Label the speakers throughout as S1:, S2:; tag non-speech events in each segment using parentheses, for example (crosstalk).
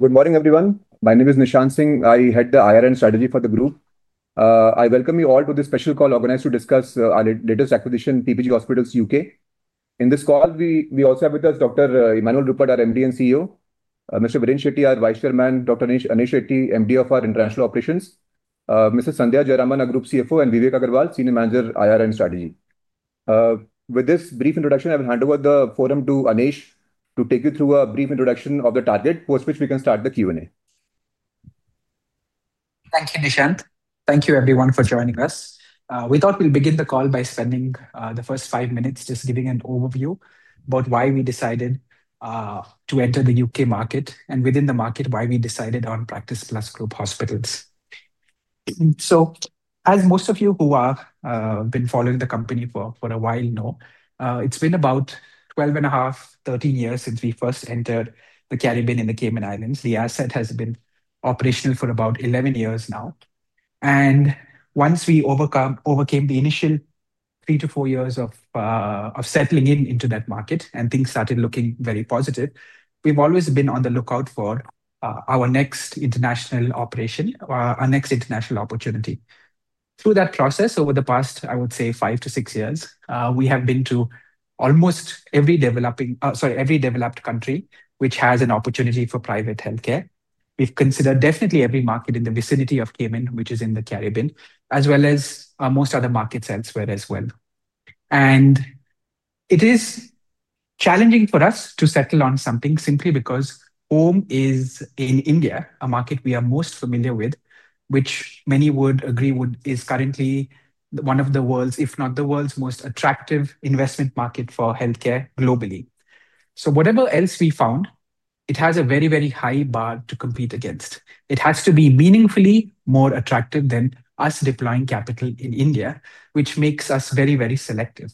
S1: Good morning, everyone. My name is Nishant Singh. I head the IR and Strategy for the group. I welcome you all to this special call organized to discuss our latest acquisition, PPG Hospitals U.K. In this call, we also have with us, Dr. Emmanuel Rupert, our MD and CEO. Mr. Viren Shetty, our Vice Chairman. Dr. Anesh Shetty, MD of our International Operations. Ms. Sandhya Jayaraman, our Group CFO, and Vivek Agarwal, Senior Manager, IR and Strategy. With this brief introduction, I will hand over the forum to, Anesh to take you through a brief introduction of the target, (crosstalk) which we can start the Q&A.
S2: Thank you, Nishant. Thank you, everyone for joining us. We thought we'll begin the call by spending the first five minutes just giving an overview about why we decided to enter the U.K. market, and within the market, why we decided on Practice Plus Group Hospitals. As most of you who have been following the company for a while know, it's been about 12 and a half, 13 years since we first entered the Caribbean and the Cayman Islands. The asset has been operational for about 11 years now. Once we overcame the initial three to four years of settling into that market and things started looking very positive, we've always been on the lookout for our next international operation, our next international opportunity. Through that process, over the past, I would say, five to six years, we have been to almost every developed country which has an opportunity for private healthcare. We've considered definitely every market in the vicinity of Cayman, which is in the Caribbean, as well as most other markets elsewhere as well. It is challenging for us to settle on something, simply because home is in India, a market we are most familiar with, which many would agree is currently one of the world's, if not the world's, most attractive investment market for healthcare globally. Whatever else we found, it has a very, very high bar to compete against. It has to be meaningfully more attractive than us deploying capital in India, which makes us very, very selective.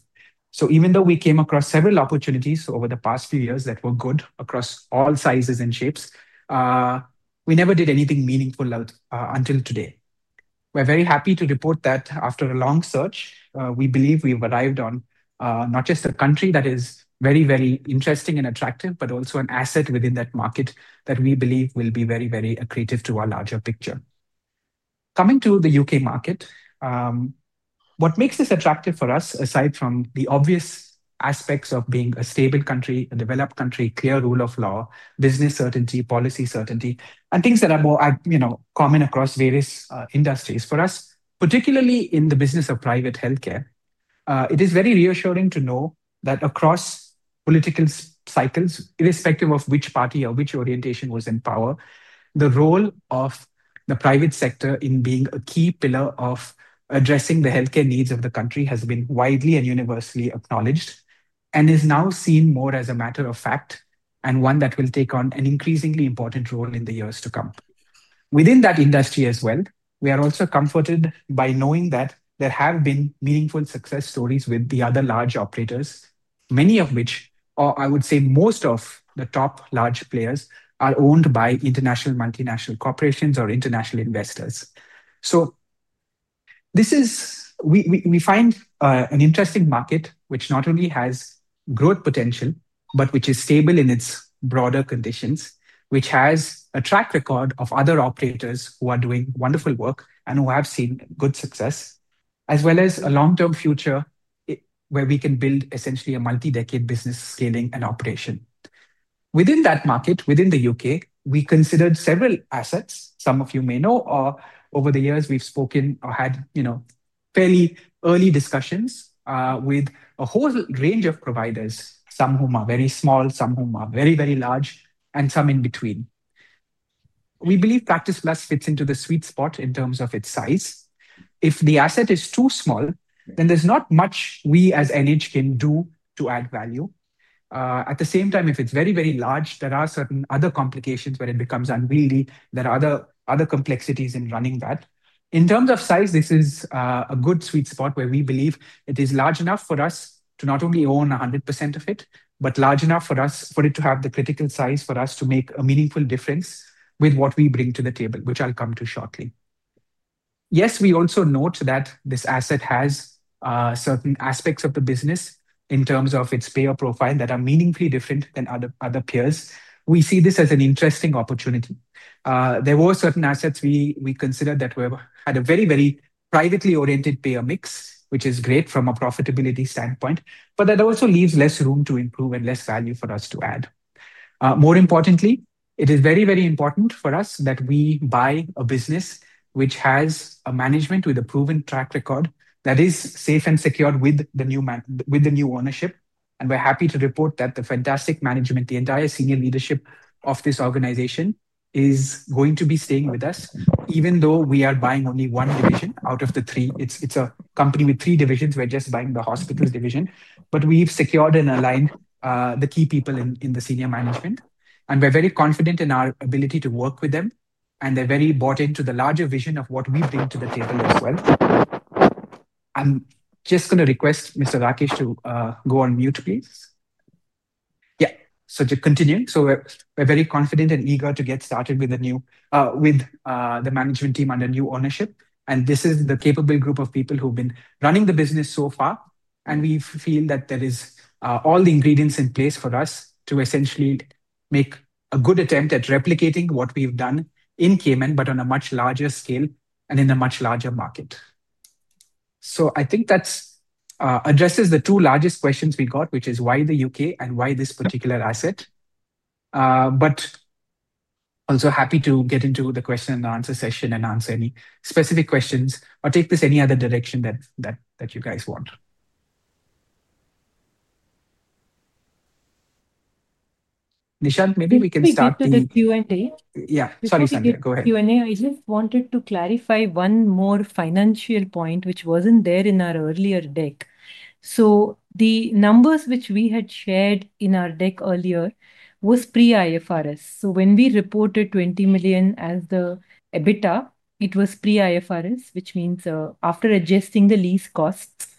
S2: Even though we came across several opportunities over the past few years that were good across all sizes and shapes, we never did anything meaningful until today. We're very happy to report that after a long search, we believe we've arrived on not just a country that is very, very interesting and attractive, but also an asset within that market, that we believe will be very, very accretive to our larger picture. Coming to the U.K. market, what makes this attractive for us, aside from the obvious aspects of being a stable country, a developed country, clear rule of law, business certainty, policy certainty, and things that are more common across various industries, for us, particularly in the business of private healthcare, it is very reassuring to know that across political cycles, irrespective of which party or which orientation was in power, the role of the private sector in being a key pillar of addressing the healthcare needs of the country has been widely and universally acknowledged, and is now seen more as a matter of fact and one that will take on an increasingly important role in the years to come. Within that industry as well, we are also comforted by knowing that there have been meaningful success stories with the other large operators, many of which, or I would say most of the top large players, are owned by international multinational corporations or international investors. We find an interesting market, which not only has growth potential, but which is stable in its broader conditions, which has a track record of other operators who are doing wonderful work and who have seen good success, as well as a long-term future where we can build essentially a multi-decade business scaling and operation. Within that market, within the U.K., we considered several assets. Some of you may know, or over the years we've spoken or had fairly early discussions with a whole range of providers, some of whom are very small, some of whom are very, very large and some in between. We believe Practice Plus fits into the sweet spot in terms of its size. If the asset is too small, then there's not much we as NH can do to add value. At the same time, if it's very, very large, there are certain other complications where it becomes unwieldy. There are other complexities in running that. In terms of size, this is a good sweet spot where we believe it is large enough for us to not only own 100% of it, but large enough for it to have the critical size, for us to make a meaningful difference with what we bring to the table, which I'll come to shortly. Yes, we also note that this asset has certain aspects of the business, in terms of its payer profile that are meaningfully different than other peers. We see this as an interesting opportunity. There were certain assets we considered, that had a very, very privately oriented payer mix, which is great from a profitability standpoint, but that also leaves less room to improve and less value for us to add. More importantly, it is very, very important for us that we buy a business which has a management with a proven track record that is safe and secured with the new ownership. We're happy to report that the fantastic management, the entire senior leadership of this organization, is going to be staying with us, even though we are buying only one division out of the three. It's a company with three divisions. We're just buying the hospitals division, but we've secured and aligned the key people in the senior management. We're very confident in our ability to work with them, and they're very bought into the larger vision of what we bring to the table as well. I'm just going to request Mr. Rakesh to go on mute, please. Yeah, just continuing. We're very confident and eager to get started with the management team under new ownership. This is the capable group of people who've been running the business so far. We feel that there are all the ingredients in place for us to essentially make a good attempt at replicating what we've done in Cayman, but on a much larger scale and in a much larger market. I think that addresses the two largest questions we got, which is why the U.K. and why this particular asset. Also happy to get into the question-and answer session and answer any specific questions, or take this any other direction that you guys want. Nishant, maybe we can start.
S3: (crosstalk) the Q&A.
S4: Yeah. Sorry, Sandhya. Go ahead.
S3: I just wanted to clarify one more financial point, which wasn't there in our earlier deck. The numbers which we had shared in our deck earlier were pre-IFRS. When we reported 20 million as the EBITDA, it was pre-IFRS, which means after adjusting the lease costs.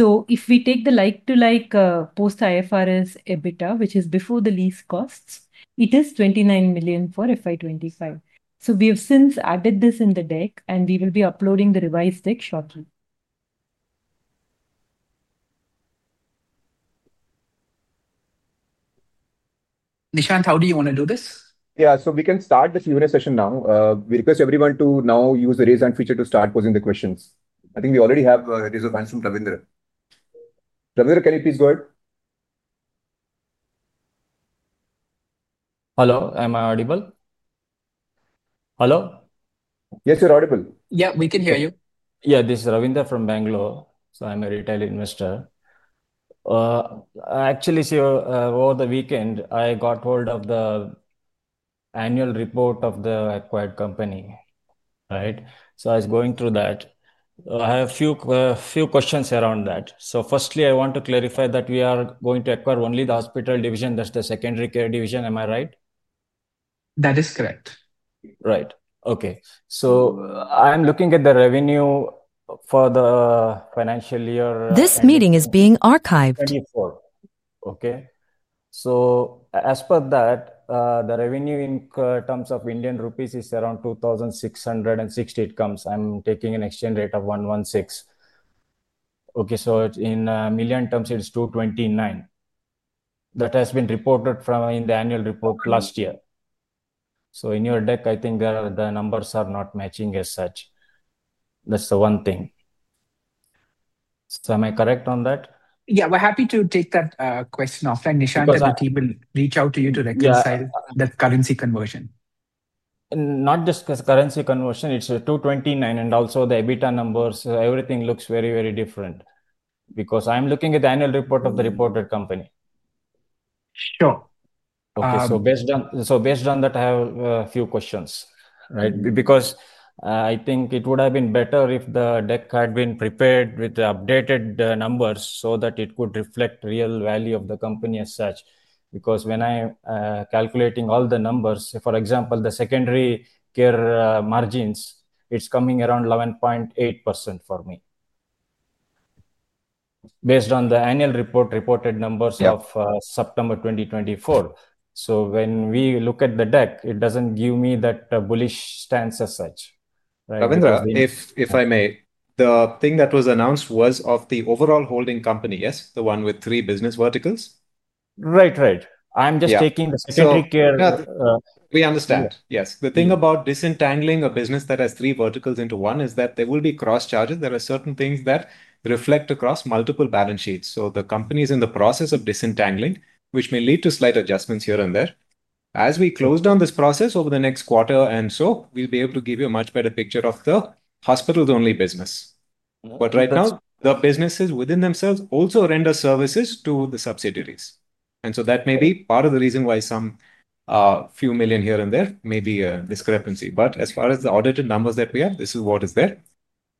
S3: If we take the like-to-like post-IFRS EBITDA, which is before the lease costs, it is 29 million for FY 2025. We've since added this in the deck, and we will be uploading the revised deck shortly.
S2: Nishant, how do you want to do this?
S1: Yeah, so we can start the Q&A session now. We request everyone to now use the raise hand feature to start posing the questions. I think we already have a raise of hands from Ravindra. Ravindra, can you please go ahead?
S5: Hello. Am I audible? Hello?
S1: Yes, you're audible.
S2: Yeah, we can hear you.
S5: Yeah, this is Ravindra from Bangalore. I'm a retail investor. Actually, over the weekend, I got hold of the annual report of the acquired company, right? I was going through that. I have a few questions around that. Firstly, I want to clarify that we are going to acquire only the hospital division, that's the secondary care division. Am I right?
S2: That is correct.
S5: Right, okay. I'm looking at the revenue for the financial year. (crosstalk)
S6: This meeting is being archived.
S5: Okay. As per that, the revenue in terms of Indian rupees is around 2,660. (crosstalk) I'm taking an exchange rate of 116. In million terms, it's 229. That has been reported in the annual report last year. In your deck, I think the numbers are not matching as such. That's the one thing. Am I correct on that?
S2: Yeah. We're happy to take that question offline. Nishant, I think he will reach out to you to reconcile that currency conversion.
S5: (crosstalk) Not just currency conversion. It is 229. Also, the EBITDA numbers, everything looks very, very different. I am looking at the annual report of the reported company.
S2: Sure.
S5: Okay. Based on that, I have a few questions, right? I think it would have been better if the deck had been prepared with the updated numbers, so that it could reflect real value of the company as such. When I'm calculating all the numbers, for example, the secondary care margins, it's coming around 11.8% for me, based on the annual report reported numbers of September 2024. When we look at the deck, it doesn't give me that bullish stance as such, right?
S4: Ravindra, if I may, the thing that was announced was of the overall holding company, yes? The one with three business verticals?
S5: Right. I'm just taking the secondary care.
S4: We understand, yes. The thing about disentangling a business that has three verticals into one, is that there will be cross-charges. There are certain things that reflect across multiple balance sheets. The company is in the process of disentangling, which may lead to slight adjustments here and there. As we close down this process over the next quarter and so, we'll be able to give you a much better picture of the hospitals-only business. Right now, the businesses within themselves also render services to the subsidiaries. That may be part of the reason why some few million here and there may be a discrepancy. As far as the audited numbers that we have, this is what is there.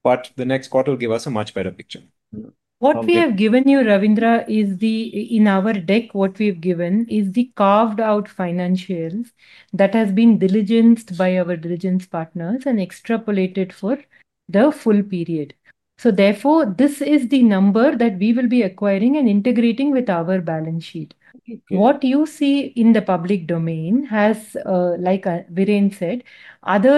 S4: The next quarter will give us a much better picture.
S3: What we have given you, Ravindra is, in our deck, what we've given is the carved-out financials that has been diligenced by our diligence partners and extrapolated for the full period. Therefore, this is the number that we will be acquiring and integrating with our balance sheet. What you see in the public domain has, like Viren said, other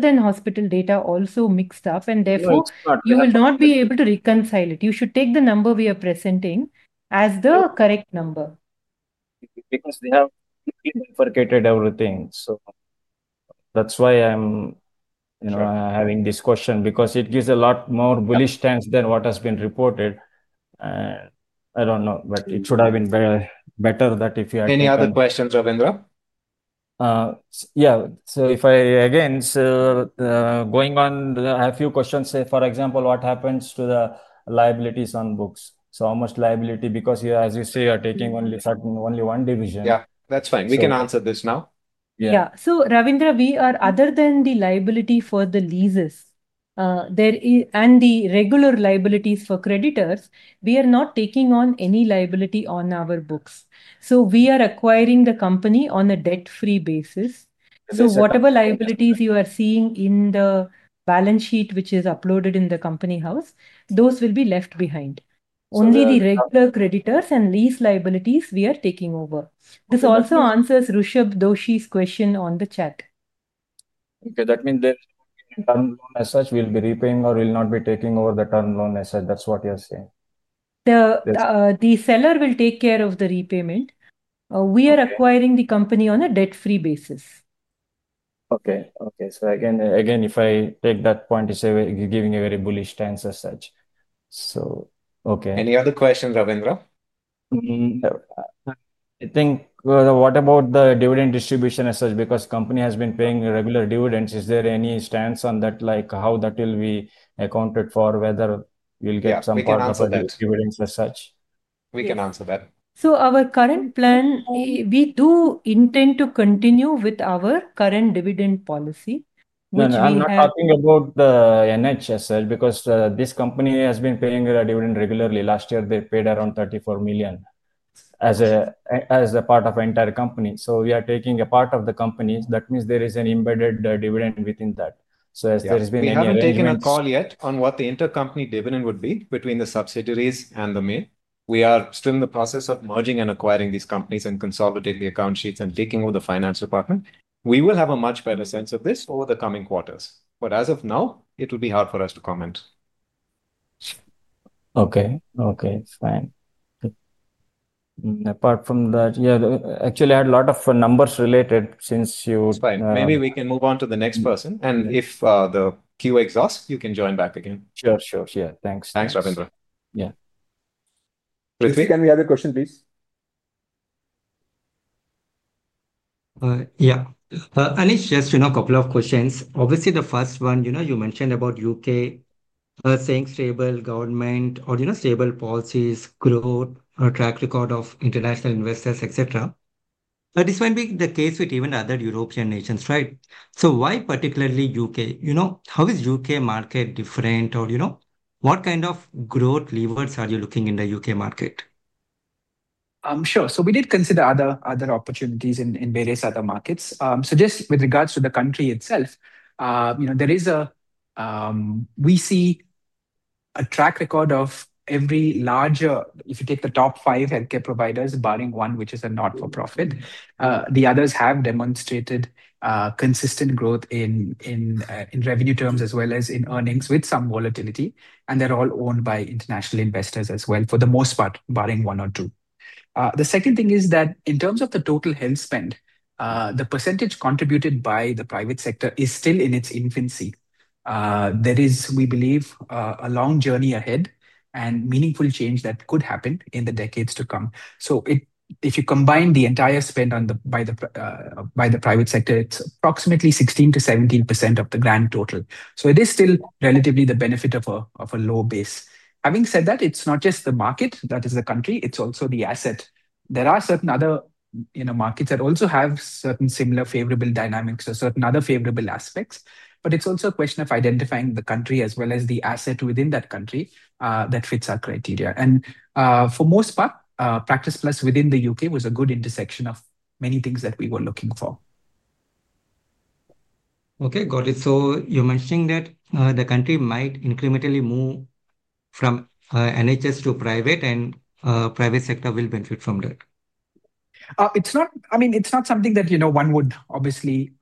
S3: than hospital data also mixed up, and therefore you will not be able to reconcile it. You should take the number we are presenting as the correct number.
S5: Because they have [bifurcated] everything. That's why I'm having this question, because it gives a lot more bullish stance than what has been reported. I don't know, but it should have been better that if you had. (crosstalk)
S4: Any other questions, Ravindra?
S5: Yeah. If I again, so I have a few questions. For example, what happens to the liabilities on books? How much liability? Here, as you say, you are taking only one division.
S4: Yeah. That's fine. We can answer this now.
S3: Yeah. Ravindra, other than the liability for the leases and the regular liabilities for creditors, we are not taking on any liability on our books. We are acquiring the company on a debt-free basis. Whatever liabilities you are seeing in the balance sheet, which is uploaded in the company house, those will be left behind. Only the regular creditors and lease liabilities we are taking over. This also answers [Rishabh] Doshi's question on the chat.
S5: Okay. That means the term [loan] as such, we'll be repaying or we'll not be taking over the term loan as such, that's what you're saying?
S3: The seller will take care of the repayment. We are acquiring the company on a debt-free basis.
S5: Okay. Again, if I take that point, it's giving a very bullish stance as such.
S4: Any other questions, Ravindra?
S5: No. I think what about the dividend distribution as such? The company has been paying regular dividends. Is there any stance on that, like how that will be accounted for, whether we'll get some part of the dividend as such?
S4: We can answer that.
S3: Our current plan, we do intend to continue with our current dividend policy.
S5: No, I'm not talking about NH as such, because this company has been paying a dividend regularly. Last year, they paid around 34 million as a part of the entire company. We are taking a part of the company. That means there is an embedded dividend within that. Has there been any? (crosstalk)
S2: We have not taken a call yet on what the intercompany dividend would be between the subsidiaries and the main. We are still in the process of merging and acquiring these companies, and consolidating the account sheets and taking over the finance department. We will have a much better sense of this over the coming quarters. As of now, it will be hard for us to comment.
S5: Okay, fine. Apart from that, yeah, actually I had a lot of numbers related.
S4: It's fine. Maybe we can move on to the next person. If the queue exhausts, you can join back again.
S5: Sure, yeah. Thanks.
S4: Thanks, Ravindra.
S5: Yeah.
S4: (crosstalk) any other question, please?
S7: Yeah. Anesh, just a couple of questions. Obviously, the first one, you mentioned about U.K. Saying stable government or stable policies, growth, track record of international investors, etc., that is going to be the case with even other European nations, right? Why particularly U.K.? How is the U.K. market different, or what kind of growth levers are you looking in the U.K. market?
S2: Sure. We did consider other opportunities in various other markets. Just with regards to the country itself, we see a track record of every larger, if you take the top five healthcare providers, barring one, which is a not-for-profit, the others have demonstrated consistent growth in revenue terms as well as in earnings, with some volatility. They're all owned by international investors as well, for the most part, barring one or two. The second thing is that, in terms of the total health spend, the percentage contributed by the private sector is still in its infancy. There is, we believe a long journey ahead, and meaningful change could happen in the decades to come. If you combine the entire spend by the private sector, it's approximately 16%-17% of the grand total. It is still relatively the benefit of a low base. Having said that, it's not just the market that is the country. It's also the asset. There are certain other markets that also have certain similar favorable dynamics or certain other favorable aspects. It's also a question of identifying the country, as well as the asset within that country that fits our criteria. For most part, Practice Plus within the U.K. was a good intersection of many things that we were looking for.
S7: Okay, got it. You're mentioning that the country might incrementally move from NHS to private, and the private sector will benefit from that.
S2: I mean, it's not something that one would obviously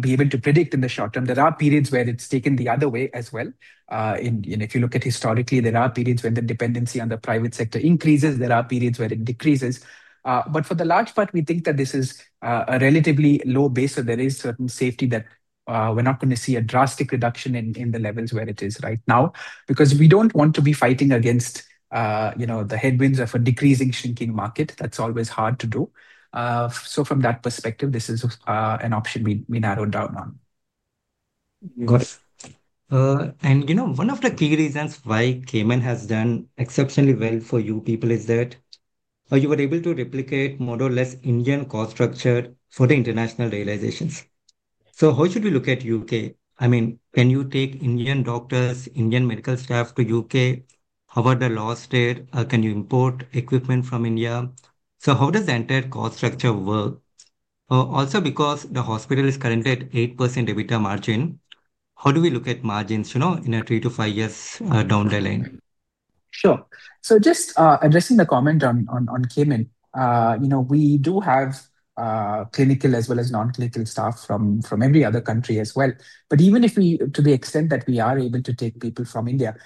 S2: be able to predict in the short term. There are periods where it's taken the other way as well. If you look at historically, there are periods when the dependency on the private sector increases. There are periods where it decreases. For the large part, we think that this is a relatively low base. There is certain safety, that we're not going to see a drastic reduction in the levels where it is right now. We don't want to be fighting against the headwinds of a decreasing, shrinking market. That's always hard to do. From that perspective, this is an option we narrowed down on.
S7: Got it. One of the key reasons why Cayman has done exceptionally well for you people, is that you were able to replicate more or less Indian cost structure for the international realizations. How should we look at the U.K.? I mean, can you take Indian doctors, Indian medical staff to the U.K.? How are the laws there? Can you import equipment from India? How does the entire cost structure work? Also, because the hospital is currently at 8% EBITDA margin, how do we look at margins in three to five year down the line?
S2: Sure. Just addressing the comment on Cayman, we do have clinical as well as non-clinical staff from every other country as well. Even to the extent that we are able to take people from India,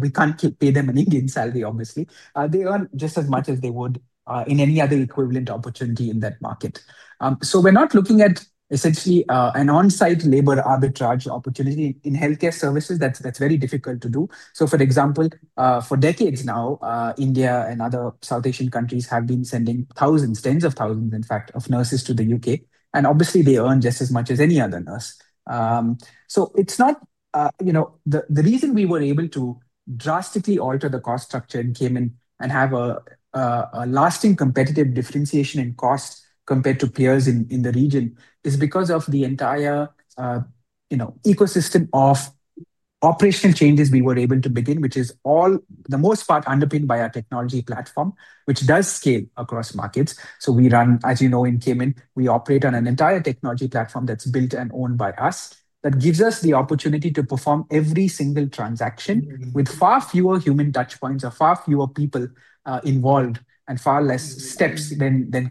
S2: we can't pay them an Indian salary, obviously. They earn just as much as they would in any other equivalent opportunity in that market. We're not looking at essentially an on-site labor arbitrage opportunity in healthcare services. That's very difficult to do. For example, for decades now, India and other South Asian countries have been sending thousands, tens of thousands, in fact, of nurses to the U.K., and obviously, they earn just as much as any other nurse. The reason we were able to drastically alter the cost structure in Cayman and have a lasting competitive differentiation in cost compared to peers in the region, is because of the entire ecosystem of operational changes we were able to begin, which is for the most part, underpinned by our technology platform, which does scale across markets. As you know, in Cayman, we operate on an entire technology platform that's built and owned by us, that gives us the opportunity to perform every single transaction with far fewer human touchpoints or far fewer people involved, and far fewer steps than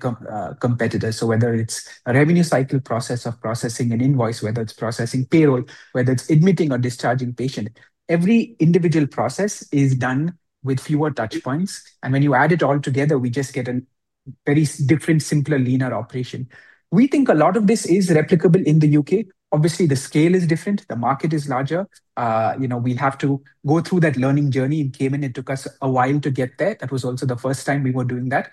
S2: competitors. Whether it's a revenue cycle process of processing an invoice, whether it is processing payroll, whether it's admitting or discharging patients, every individual process is done with fewer touchpoints. When you add it all together, we just get a very different, simpler, leaner operation. We think a lot of this is replicable in the U.K. Obviously, the scale is different. The market is larger. We will have to go through that learning journey. In Cayman, it took us a while to get there. That was also the first time we were doing that.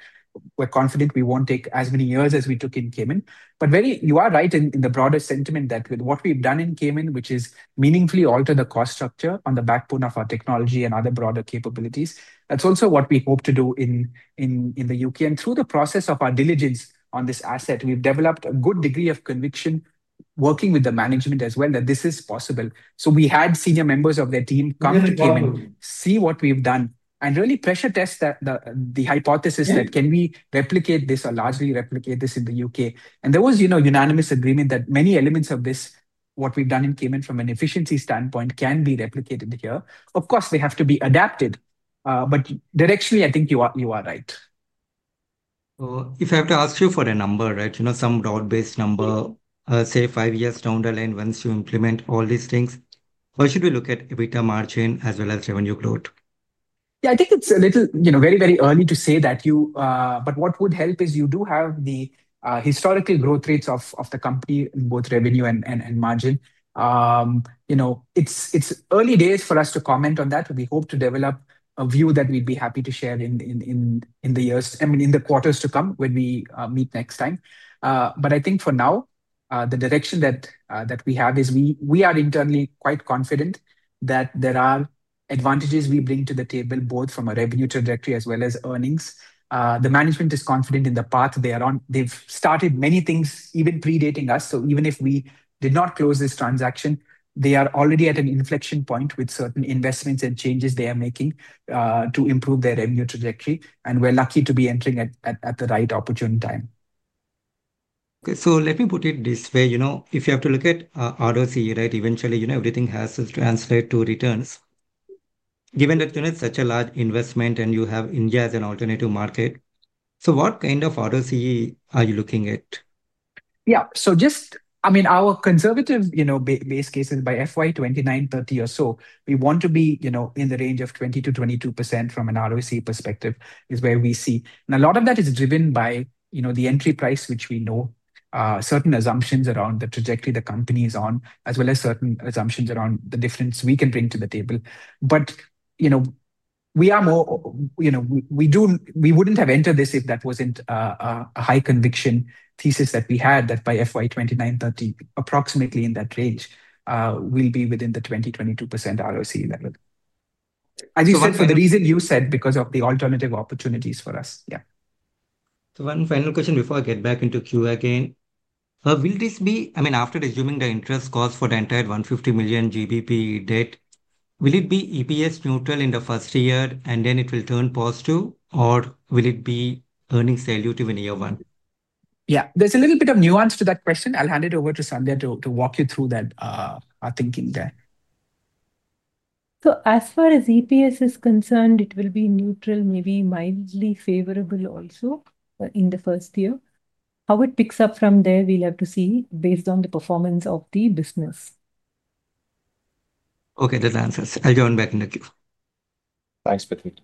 S2: We're confident we will not take as many years as we took in Cayman. You are right in the broader sentiment, that with what we have done in Cayman, which is meaningfully alter the cost structure on the backbone of our technology and other broader capabilities, that's also what we hope to do in the U.K. Through the process of our diligence on this asset, we've developed a good degree of conviction working with the management as well, that this is possible. We had senior members of their team come to Cayman, see what we've done and really pressure test the hypothesis that, can we replicate this or largely replicate this in the U.K.? There was a unanimous agreement that many elements of this, what we've done in Cayman from an efficiency standpoint, can be replicated here. Of course, they have to be adapted. Directionally, I think you are right.
S7: If I have to ask you for a number, right, some broad-based number, say five years down the line, once you implement all these things, how should we look at EBITDA margin as well as revenue growth?
S2: Yeah. I think it's very, very early to say that. What would help is you do have the historical growth rates of the company, both revenue and margin. It's early days for us to comment on that. We hope to develop a view that we'd be happy to share in the quarters to come, when we meet next time. I think for now, the direction that we have is, we are internally quite confident that there are advantages we bring to the table, both from a revenue trajectory as well as earnings. The management is confident in the path they are on. They've started many things, even predating us. Even if we did not close this transaction, they are already at an inflection point with certain investments and changes they are making to improve their revenue trajectory. We're lucky to be entering at the right opportune time.
S7: Okay. Let me put it this way. If you have to look at ROCE, eventually everything has to translate to returns. Given that it's such a large investment and you have India as an alternative market, what kind of ROCE are you looking at?
S2: Yeah. Just, I mean, our conservative base case is by FY 2029-2030 or so, we want to be in the range of 20%-22% from an ROCE perspective, is where we see. A lot of that is driven by the entry price, which we know certain assumptions around the trajectory the company is on, as well as certain assumptions around the difference we can bring to the table. We would not have entered this, if that was not a high conviction thesis that we had, that by FY 2029-2030, approximately in that range, we will be within the 20%-22% ROCE level.
S7: (crosstalk)
S2: (crosstalk) for the reason you said, because of the alternative opportunities for us, yeah.
S7: One final question before I get back into queue again. After resuming the interest cost for the entire 150 million GBP debt, will it be EPS neutral in the first year and then it will turn positive or will it be earnings [sa y elutive] in year one?
S2: Yeah. There's a little bit of nuance to that question. I'll hand it over to Sandhya to walk you through that thinking there.
S3: As far as EPS is concerned, it will be neutral, maybe mildly favorable also in the first year. How it picks up from there, we'll have to see, based on the performance of the business.
S7: Okay, that answers. I'll join back in the queue.
S2: Thanks, Rithvik.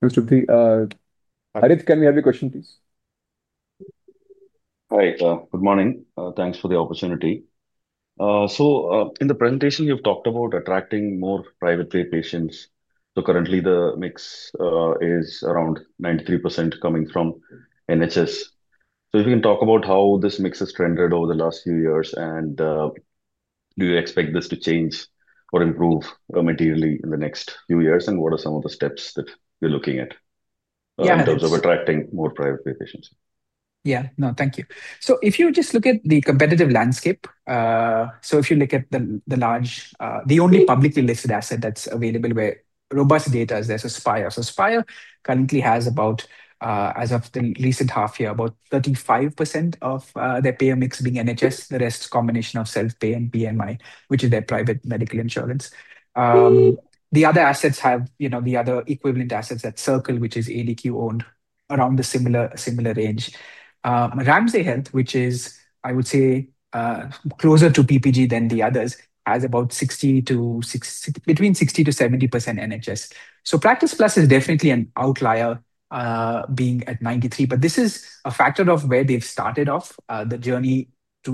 S1: Thanks, Rithvik. (crosstalk) can we have your question, please?
S8: Hi. Good morning. Thanks for the opportunity. In the presentation, you've talked about attracting more private pay patients. Currently, the mix is around 93% coming from NHS. If you can talk about how this mix has trended over the last few years. Do you expect this to change or improve materially in the next few years? What are some of the steps that you're looking at in terms of attracting more private pay patients?
S2: Yeah. No, thank you. If you just look at the competitive landscape, if you look at the only publicly listed asset that's available where robust data is, there's Spire. Spire currently has as of the recent half year, about 35% of their payer mix being NHS. The rest is a combination of self-pay and DMI, which is their private medical insurance. The other assets have the other equivalent assets at Circle, which is ADQ owned, around the similar range. Ramsay Health, which is, I would say, closer to PPG than the others, has about between 60%-70% NHS. Practice Plus is definitely an outlier, being at 93%. This is a factor of where they've started off, the journey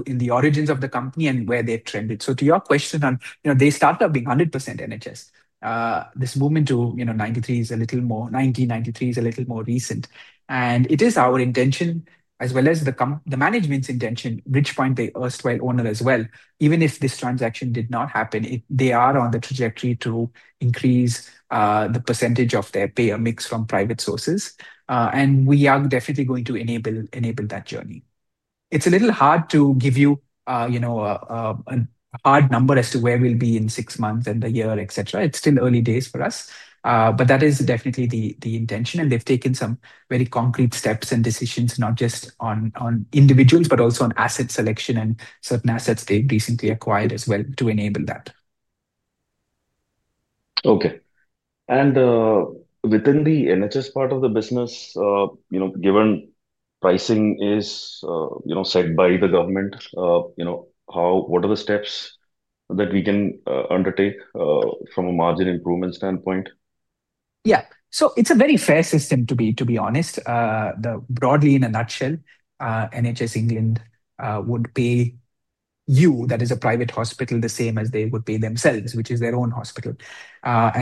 S2: in the origins of the company and where they've trended. To your question on, they started out being 100% NHS, this movement to 93% is a little more, 90%, 93% is a little more recent. It is our intention, as well as the management's intention, which point they (crosstalk) on as well, even if this transaction did not happen, they are on the trajectory to increase the percentage of their payer mix from private sources. We are definitely going to enable that journey. It's a little hard to give you a hard number as to where we'll be in six months and a year, etc. It's still early days for us. That is definitely the intention. They've taken some very concrete steps and decisions, not just on individuals, but also on asset selection and certain assets they've recently acquired as well to enable that.
S8: Okay. Within the NHS part of the business, given pricing is set by the government, what are the steps that we can undertake from a margin improvement standpoint?
S2: Yeah. It's a very fair system to be honest. Broadly, in a nutshell, NHS England would pay you, that is a private hospital, the same as they would pay themselves, which is their own hospital.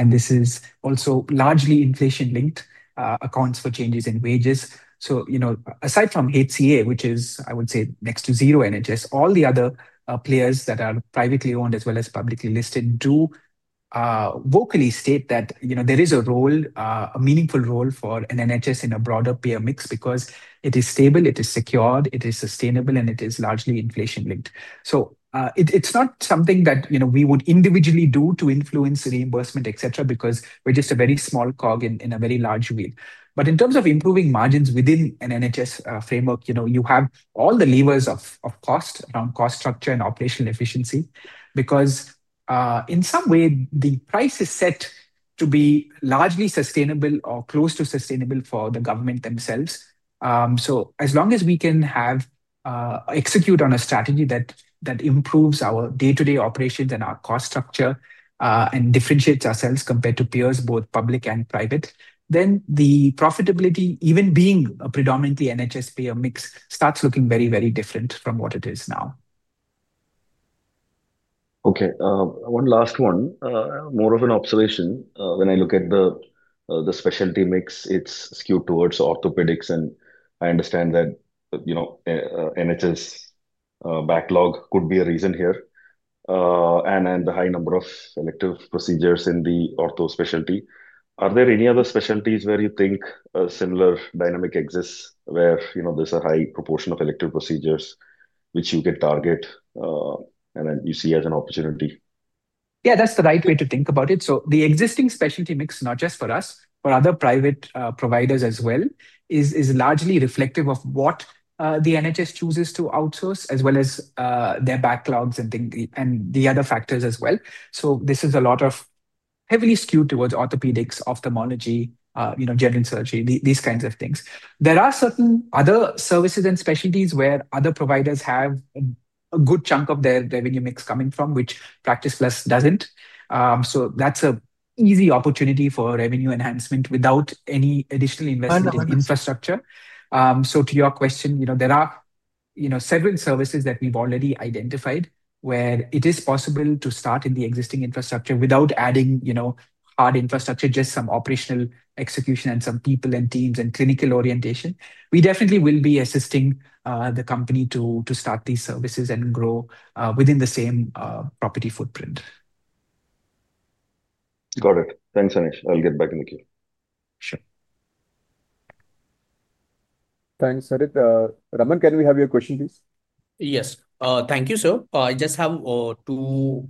S2: This is also largely inflation-linked, accounts for changes in wages. Aside from HCA, which is, I would say, next to zero NHS, all the other players that are privately owned as well as publicly listed, do vocally state that there is a meaningful role for an NHS in a broader payer mix, because it is stable, it is secured, it is sustainable, and it is largely inflation-linked. It's not something that we would individually do to influence reimbursement, etc., because we're just a very small cog in a very large wheel. In terms of improving margins within an NHS framework, you have all the levers of cost around cost structure and operational efficiency, because, in some way, the price is set to be largely sustainable or close to sustainable for the government themselves. As long as we can execute on a strategy that improves our day-to-day operations and our cost structure, and differentiates ourselves compared to peers, both public and private, then the profitability, even being a predominantly NHS payer mix, starts looking very, very different from what it is now.
S8: Okay. One last one, more of an observation. When I look at the specialty mix, it's skewed towards orthopedics. I understand that NHS backlog could be a reason here, and then the high number of elective procedures in the ortho specialty. Are there any other specialties where you think a similar dynamic exists, where there's a high proportion of elective procedures which you can target and you see as an opportunity?
S2: Yeah, that's the right way to think about it. The existing specialty mix, not just for us, for other private providers as well, is largely reflective of what the NHS chooses to outsource, as well as their backlogs and the other factors as well. This is heavily skewed towards orthopedics, ophthalmology, general surgery, these kinds of things. There are certain other services and specialties where other providers have a good chunk of their revenue mix coming from, which Practice Plus doesn't. That's an easy opportunity for revenue enhancement, without any additional investment in infrastructure. To your question, there are several services that we've already identified, where it is possible to start in the existing infrastructure without adding hard infrastructure, just some operational execution and some people and teams, and clinical orientation. We definitely will be assisting the company to start these services, and grow within the same property footprint.
S8: Got it. Thanks, Anesh. I'll get back in the queue.
S2: Sure.
S1: Thanks. (crosstalk) Raman, can we have your question, please?
S9: Yes. Thank you, sir. I just have two,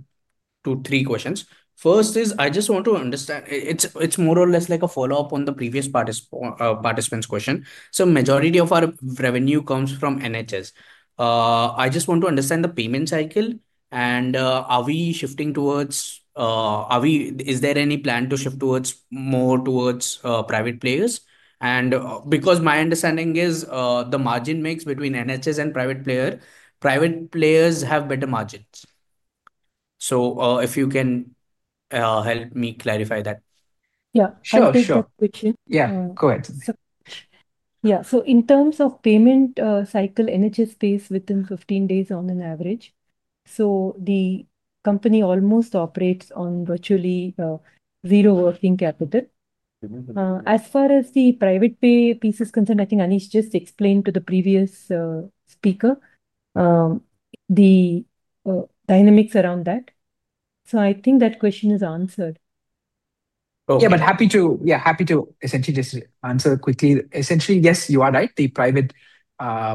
S9: three questions. First is, it's more or less like a follow-up on the previous participant's question. Majority of our revenue comes from NHS. I just want to understand the payment cycle. Is there any plan to shift more towards private players? My understanding is, the margin mix between NHS and private players, private players have better margins. If you can help me clarify that.
S3: Yeah, sure. (crosstalk)
S4: Yeah, go ahead.
S3: Yeah. In terms of payment cycle, NHS pays within 15 days on an average. The company almost operates on virtually zero working capital. As far as the private pay piece is concerned, I think Anesh just explained to the previous speaker the dynamics around that. I think that question is answered.
S2: Yeah, happy to essentially just answer quickly. Essentially, yes, you are right, the private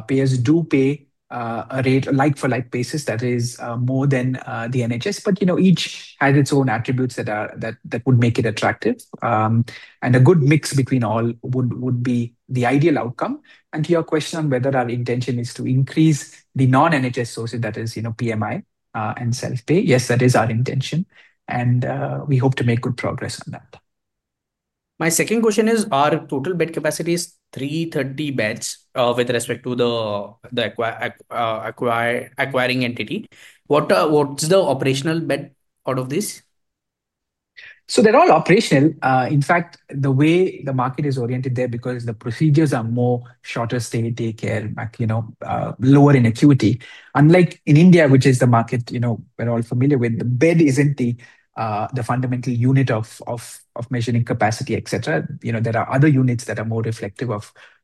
S2: payers do pay a rate like-for-like basis that is more than the NHS. Each has its own attributes that would make it attractive. A good mix between all would be the ideal outcome. To your question on whether our intention is to increase the non-NHS sources, that is DMI and self-pay, yes, that is our intention. We hope to make good progress on that.
S9: My second question is, are total bed capacities 330 beds with respect to the acquiring entity? What's the operational bed out of this?
S2: They're all operational. In fact, the way the market is oriented there, because the procedures are more shorter stay care, lower in acuity, unlike in India, which is the market, we're all familiar with, the bed isn't the fundamental unit of measuring capacity, etc. There are other units that are more reflective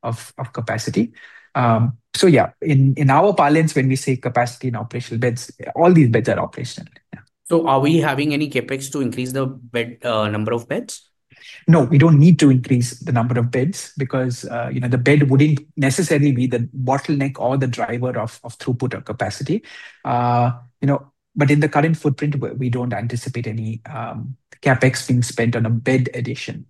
S2: of capacity. Yeah, in our parlance, when we say capacity and operational beds, all these beds are operational.
S9: Are we having any CapEx to increase the number of beds?
S2: No, we don't need to increase the number of beds because the bed wouldn't necessarily be the bottleneck or the driver of throughput or capacity. In the current footprint, we don't anticipate any CapEx being spent on a bed addition.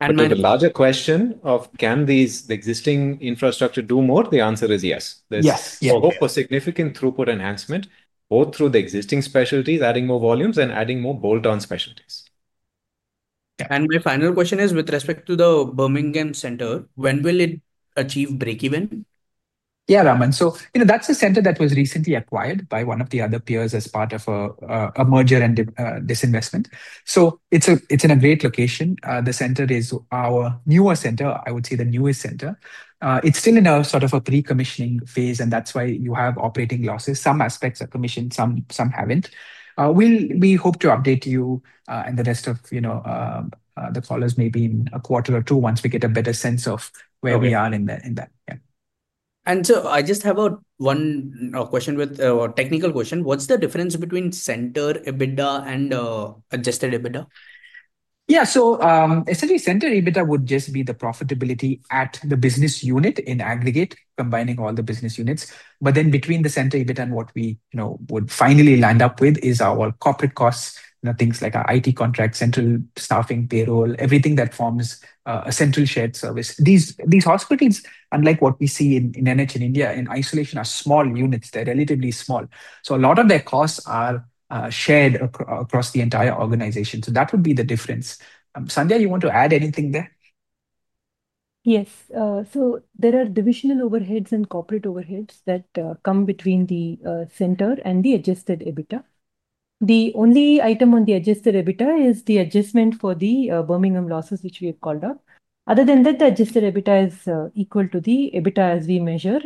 S4: The larger question of, can the existing infrastructure do more? The answer is yes.
S2: Yes.
S4: There is a hope for significant throughput enhancement, both through the existing specialties, adding more volumes and adding more bolt-on specialties.
S9: My final question is, with respect to the Birmingham Center, when will it achieve break-even?
S4: Yeah, Raman. That's a center that was recently acquired by one of the other peers as part of a merger and disinvestment. It's in a great location. The center is our newer center, I would say the newest center. It's still in a sort of pre-commissioning phase, and that is why you have operating losses. Some aspects are commissioned, some have not. We hope to update you and the rest of the callers maybe in a quarter or two, once we get a better sense of where we are in that.
S9: I just have one question with a technical question. What's the difference between center EBITDA and adjusted EBITDA?
S2: Yeah. Essentially, center EBITDA would just be the profitability at the business unit in aggregate, combining all the business units. Between the center EBITDA and what we would finally land up with is our corporate costs, things like our IT contracts, central staffing, payroll, everything that forms a central shared service. These hospitals, unlike what we see in NH in India in isolation, are small units. They're relatively small. A lot of their costs are shared across the entire organization. That would be the difference. Sandhya, you want to add anything there?
S3: Yes. There are divisional overheads and corporate overheads that come between the center and the adjusted EBITDA. The only item on the adjusted EBITDA is the adjustment for the Birmingham losses, which we have called up. Other than that, the adjusted EBITDA is equal to the EBITDA as we measure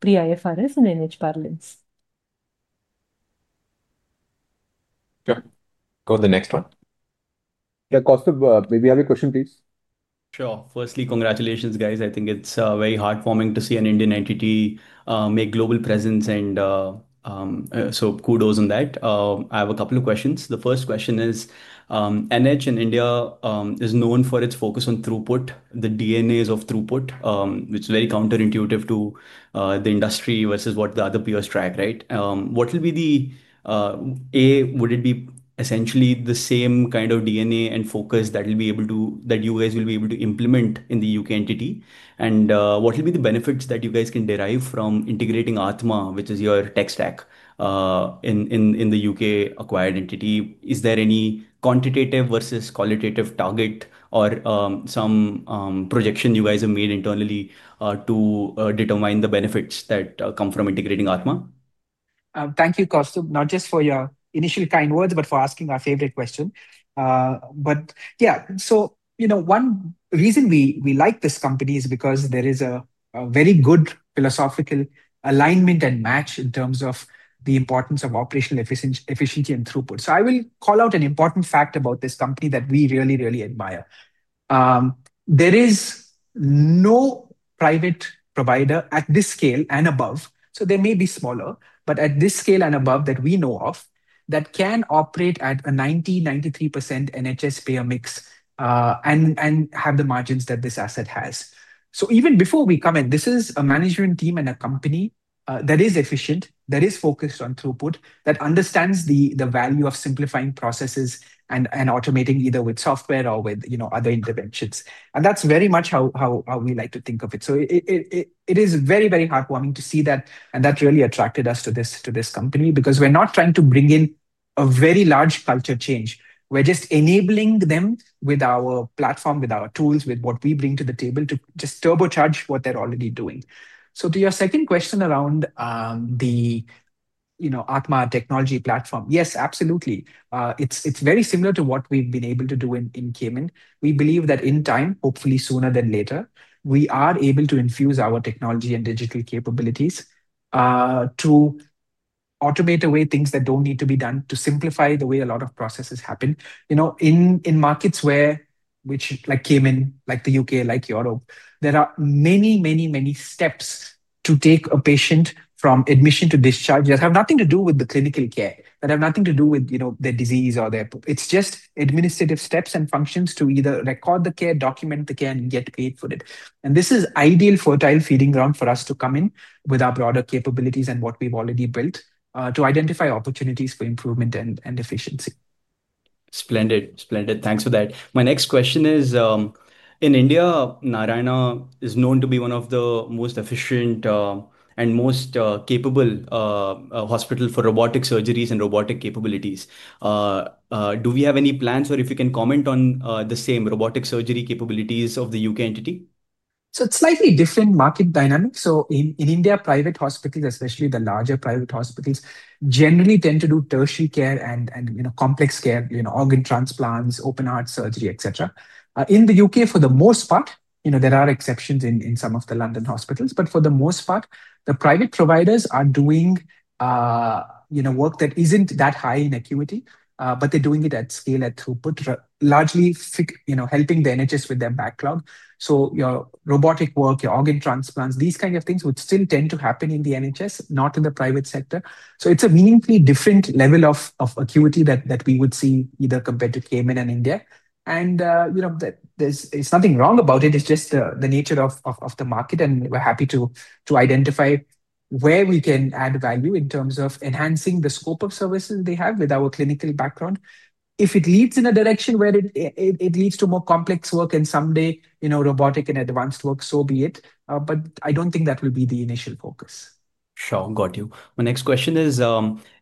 S3: pre-IFRS and NH parlance.
S4: Yeah, go to the next one.
S1: Yeah. (crosstalk) may we have your question, please?
S10: Sure. Firstly, congratulations, guys. I think it's very heartwarming to see an Indian entity make global presence, so kudos on that. I have a couple of questions. The first question is, NH in India is known for its focus on throughput, the DNAs of throughput, which is very counterintuitive to the industry versus what the other peers track, right? A, would it be essentially the same kind of DNA and focus that you guys will be able to implement in the U.K. entity? What will be the benefits that you guys can derive from integrating Athma, which is your tech stack, in the U.K.-acquired entity? Is there any quantitative versus qualitative target, or some projection you guys have made internally to determine the benefits that come from integrating Athma?
S2: Thank you, Kaustubh, not just for your initial kind words, but for asking our favorite question. One reason we like this company is, because there is a very good philosophical alignment and match in terms of the importance of operational efficiency and throughput. I will call out an important fact about this company that we really, really admire. There is no private provider at this scale and above, so they may be smaller, but at this scale and above that we know of, that can operate at a 90%-93% NHS payer mix and have the margins that this asset has. Even before we come in, this is a management team and a company that is efficient, that is focused on throughput, that understands the value of simplifying processes and automating either with software or with other interventions. That's very much how we like to think of it. It is very, very heartwarming to see that. That really attracted us to this company, because we are not trying to bring in a very large culture change. We're just enabling them with our platform, with our tools, with what we bring to the table to just turbocharge what they are already doing. To your second question around the Athma technology platform, yes, absolutely. It's very similar to what we have been able to do in Cayman. We believe that in time, hopefully sooner than later, we are able to infuse our technology and digital capabilities, to automate away things that don't need to be done, to simplify the way a lot of processes happen. In markets where, which like Cayman, like the U.K., like Europe, there are many, many steps to take a patient from admission to discharge, that have nothing to do with the clinical care, that have nothing to do with their disease. It's just administrative steps and functions to either record the care, document the care and get paid for it. This is ideal fertile feeding ground for us to come in with our broader capabilities, and what we've already built to identify opportunities for improvement and efficiency.
S10: Splendid. Thanks for that. My next question is, in India, Narayana is known to be one of the most efficient and most capable hospitals for robotic surgeries and robotic capabilities. Do we have any plans or if you can comment on the same robotic surgery capabilities of the U.K. entity?
S2: It's slightly different market dynamics. In India, private hospitals, especially the larger private hospitals, generally tend to do tertiary care and complex care, organ transplants, open-heart surgery, etc. In the U.K., for the most part, there are exceptions in some of the London hospitals. For the most part, the private providers are doing work that isn't that high in acuity, but they're doing it at scale at throughput, largely helping the NHS with their backlog. Your robotic work, your organ transplants, these kinds of things would still tend to happen in the NHS, not in the private sector. It's a meaningfully different level of acuity that we would see, either compared to Cayman and India. There's nothing wrong about it. It's just the nature of the market. We're happy to identify where we can add value in terms of enhancing the scope of services they have with our clinical background. If it leads in a direction where it leads to more complex work and someday robotic and advanced work, so be it, but I don't think that will be the initial focus.
S10: Sure, got you. My next question is,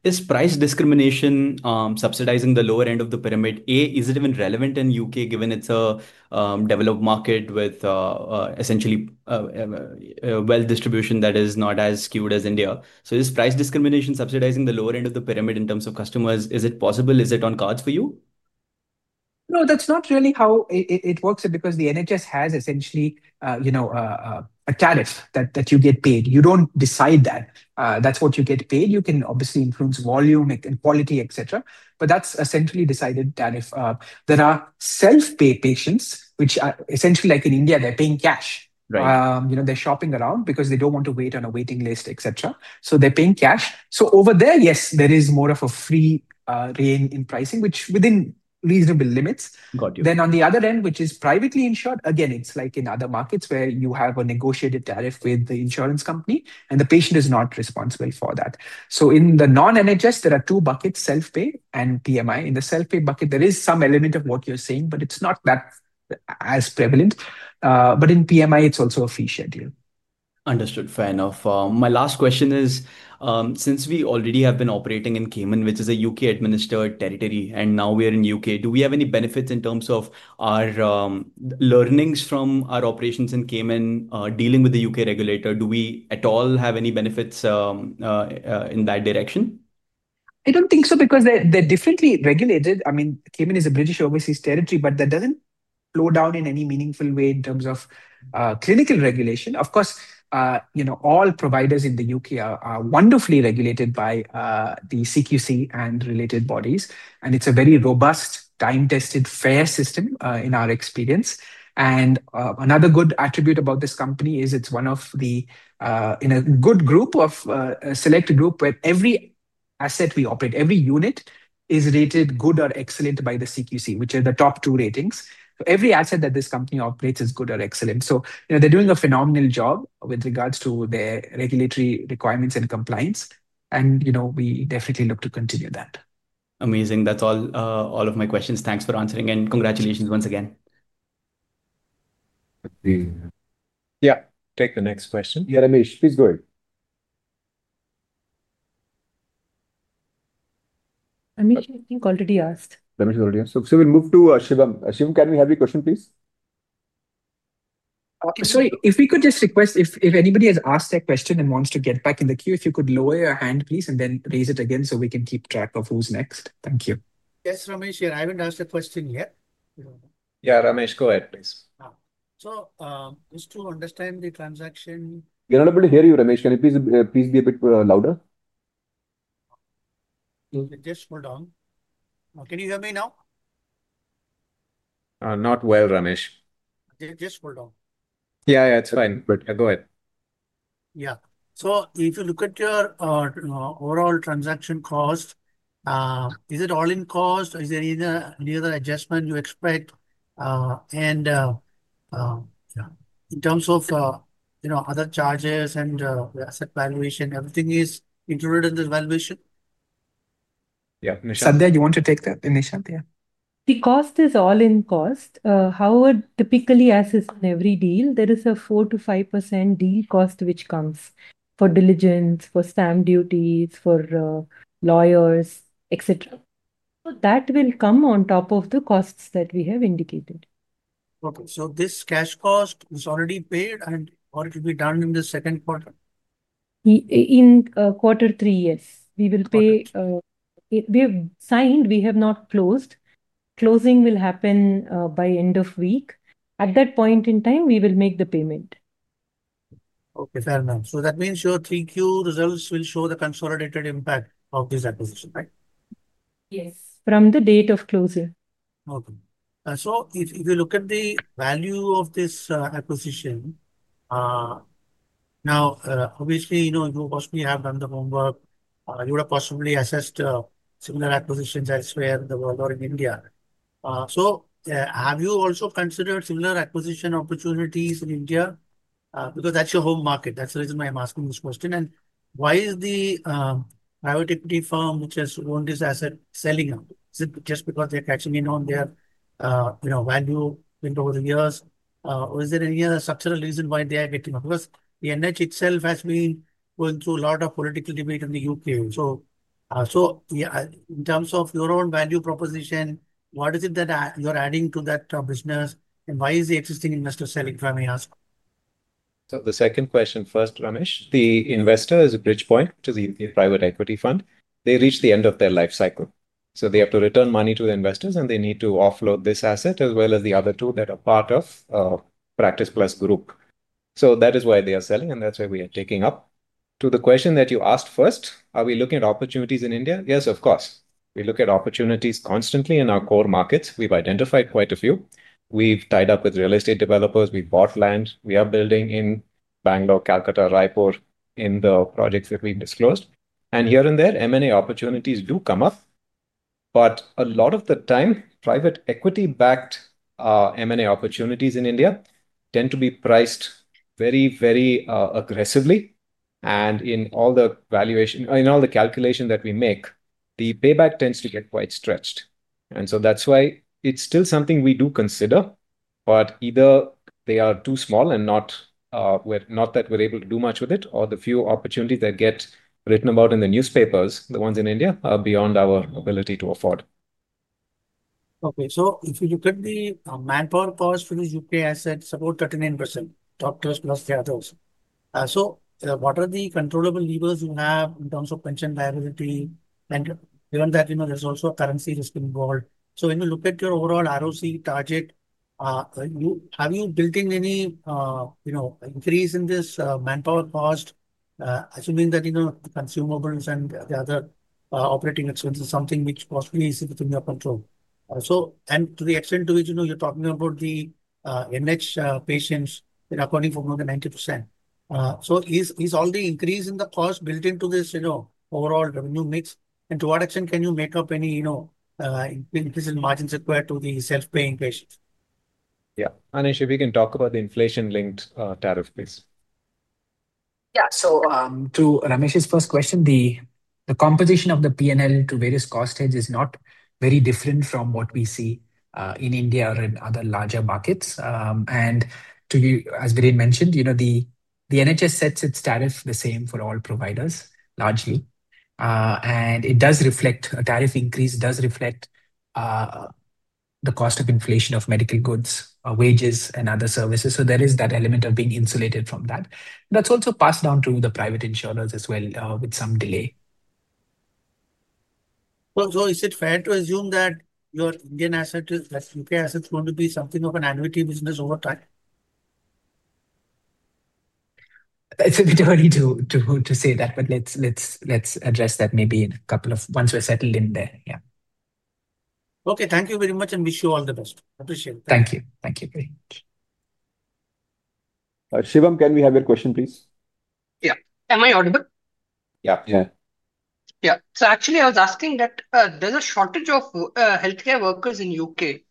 S10: is price discrimination subsidizing the lower end of the pyramid? A, is it even relevant in the U.K., given it's a developed market with essentially well distribution that is not as skewed as India? Is price discrimination subsidizing the lower end of the pyramid in terms of customers? Is it possible? Is it on cards for you?
S4: No, that's not really how it works, because the NHS has essentially a tariff that you get paid. You don't decide that. That's what you get paid. You can obviously influence volume and quality, etc. but that's a centrally decided tariff. There are self-pay patients, which essentially like in India, they're paying cash. They're shopping around because they don't want to wait on a waiting list, etc., so they're paying cash. Over there, yes, there is more of a free reign in pricing, which is within reasonable limits.
S10: Got you.
S2: On the other end, which is privately insured, again, it's like in other markets, where you have a negotiated tariff with the insurance company and the patient is not responsible for that. In the non-NHS, there are two buckets, self-pay and DMI. In the self-pay bucket, there is some element of what you're saying, but it's not that prevalent. In DMI, it's also a fee schedule.
S10: Understood, fair enough. My last question is, since we already have been operating in Cayman, which is a U.K.-administered territory and now we are in the U.K., do we have any benefits in terms of our learnings from our operations in Cayman, dealing with the U.K. regulator? Do we at all have any benefits in that direction?
S2: I don't think so because they're differently regulated. I mean, Cayman is a British overseas territory, but that doesn't slow down in any meaningful way in terms of clinical regulation. Of course, all providers in the U.K. are wonderfully regulated by the CQC and related bodies. It is a very robust, time-tested, fair system in our experience. Another good attribute about this company is it's in a good group of a select group, where every asset we operate, every unit is rated good or excellent by the CQC, which are the top two ratings. Every asset that this company operates is good or excellent. They're doing a phenomenal job with regards to their regulatory requirements and compliance. We definitely look to continue that.
S10: Amazing, that's all of my questions. Thanks for answering, and congratulations once again.
S4: Yeah, take the next question.
S1: Yeah. Ramesh, please go ahead.
S3: Ramesh, I think already asked.
S1: Ramesh has already asked. We'll move to Shivam. Shivam, can we have your question, please?
S4: Sorry, if we could just request, if anybody has asked a question and wants to get back in the queue, if you could lower your hand please and then raise it again, so we can keep track of who's next. Than. you.
S11: Yes, Ramesh, here. I haven't asked a question yet.
S1: Yeah, Ramesh, go ahead, please.
S11: Just to understand the transaction.
S1: We're not able to hear you, Ramesh. Can you please be a bit louder?
S11: Just hold on. Can you hear me now?
S1: Not well, Ramesh.
S11: Yeah. Just hold on.
S1: Yeah, it's fine, but go ahead.
S11: Yeah. If you look at your overall transaction cost, is it all-in cost? Is there any other adjustment you expect? In terms of other charges and asset valuation, everything is included in the valuation?
S1: Yeah, Sandhya.
S2: Sandhya, you want to take that? Sandhya, yeah.
S3: The cost is all-in cost. However, typically, as is in every deal, there is a 4%-5% deal cost which comes. For diligence, for stamp duty, for lawyers, etc., so that will come on top of the costs that we have indicated.
S11: Okay. This cash cost is already paid and already done in the second quarter?
S3: In quarter three, yes, we will pay. We have signed, we have not closed. Closing will happen by end of week. At that point in time, we will make the payment.
S11: Okay, fair enough. That means your three Q results will show the consolidated impact of this acquisition, right?
S3: Yes, from the date of closing.
S11: Okay. If you look at the value of this acquisition, obviously you mostly have done the homework. You would have possibly assessed similar acquisitions elsewhere in the world or in India. Have you also considered similar acquisition opportunities in India? Tthat's your home market. That's the reason why I'm asking this question. Why is the private equity firm, which has owned this asset, selling it? Is it just because they're cashing in on their value over the years, or is there any other structural reason why they are? (crosstalk) The NHS itself has been going through a lot of political debate in the U.K. In terms of your own value proposition, what is it that you're adding to that business? Why is the existing investor selling a primary asset?
S4: The second question first, Ramesh. The investor is Bridgepoint, which is a private equity fund. They reached the end of their life cycle. They have to return money to the investors and they need to offload this asset, as well as the other two that are part of Practice Plus Group. That is why they are selling, and that's why we are taking up. To the question that you asked first, are we looking at opportunities in India? Yes, of course. We look at opportunities constantly in our core markets. We've identified quite a few. We've tied up with real estate developers. We bought land. We are building in Bangalore, Calcutta, Raipur, in the projects that weave disclosed. Here and there, M&A opportunities do come up. A lot of the time, private equity-backed M&A opportunities in India tend to be priced very, very aggressively. In all the calculation that we make, the payback tends to get quite stretched. That's why it is still something we do consider. Either they are too small and not that we are able to do much with it, or the few opportunities that get written about in the newspapers, the ones in India are beyond our ability to afford.
S11: Okay. If you look at the manpower cost for this U.K. asset, it's about 39%, doctors plus the others. What are the controllable levers you have in terms of pension liability? Given that there's also a currency risk involved, when you look at your overall ROCE target, have you built in any increase in this manpower cost? Assuming that consumables and the other operating expenses are something which possibly is within your control. To the extent to which you're talking about the NH patients, they're accounting for more than 90%. Is all the increase in the cost built into this overall revenue mix? To what extent can you make up any increase in margins required to the self-paying patients?
S1: Yeah. Anesh, if we can talk about the inflation-linked tariff, please.
S2: Yeah. To Ramesh's first question, the composition of the P&L to various cost edges is not very different from what we see in India or in other larger markets. As Viren mentioned, the NHS sets its tariff the same for all providers, largely. A tariff increase does reflect the cost of inflation of medical goods, wages, and other services. There is that element of being insulated from that. That's also passed down to the private insurers as well, with some delay.
S11: Is it fair to assume that your Indian asset, U.K. asset, is going to be something of an annuity business over time?
S2: It's a bit early to say that, but let's address that maybe once we're settled in there, yeah.
S11: Okay. Thank you very much and wish you all the best.
S2: Appreciate it. Thank you. Thank you very much.
S1: Shivam, can we have your question, please?
S12: Yeah. Am I audible?
S2: Yeah.
S1: Yeah.
S12: Yeah. Actually, I was asking that, there's a shortage of healthcare workers in the U.K.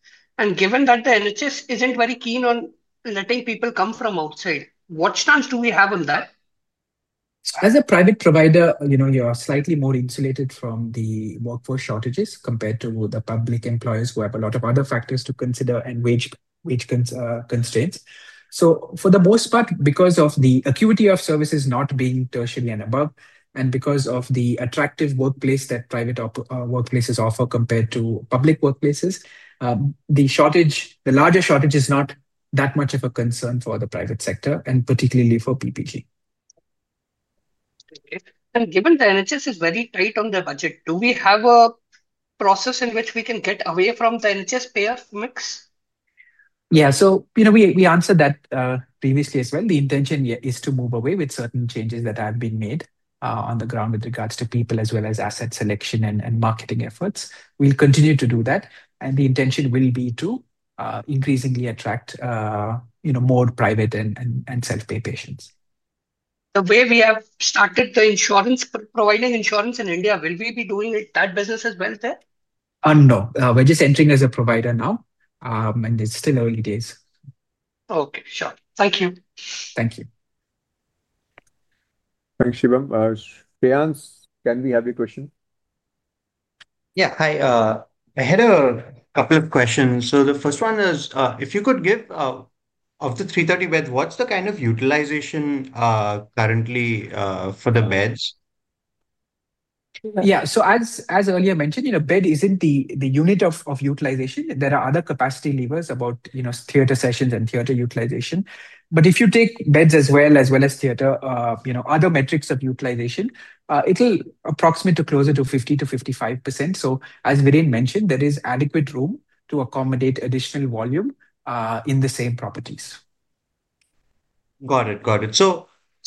S12: Given that the NHS isn't very keen on letting people come from outside, what stance do we have on that?
S2: As a private provider, you're slightly more insulated from the workforce shortages, compared to the public employers who have a lot of other factors to consider and wage constraints. For the most part, because of the acuity of services not being tertiary and above, and because of the attractive workplace that private workplaces offer compared to public workplaces, the shortage, the larger shortage is not that much of a concern for the private sector and particularly for PPG.
S12: Thank you. Given the NHS is very tight on their budget, do we have a process in which we can get away from the NHS payer mix?
S2: Yeah. We answered that previously as well. The intention here is to move away, with certain changes that have been made on the ground with regards to people as well as asset selection and marketing efforts. We will continue to do that. The intention will be to increasingly attract more private and self-pay patients.
S12: The way we have started the insurance, providing insurance in India, will we be doing that business as well there?
S2: No, we're just entering as a provider now. It's still early days.
S12: Okay. Sure. Thank you.
S2: Thank you.
S1: Thanks, Shivam. Shayans, can we have your question?
S13: Yeah. Hi, I had a couple of questions. The first one is, of the 330 beds, what's the kind of utilization currently for the beds?
S2: Yeah. As earlier mentioned, bed isn't the unit of utilization. There are other capacity levers about theater sessions and theater utilization. If you take beds as well as theater, other metrics of utilization, it'll approximate to closer to 50%-55%. As Viren mentioned, there is adequate room to accommodate additional volume in the same properties.
S13: Got it.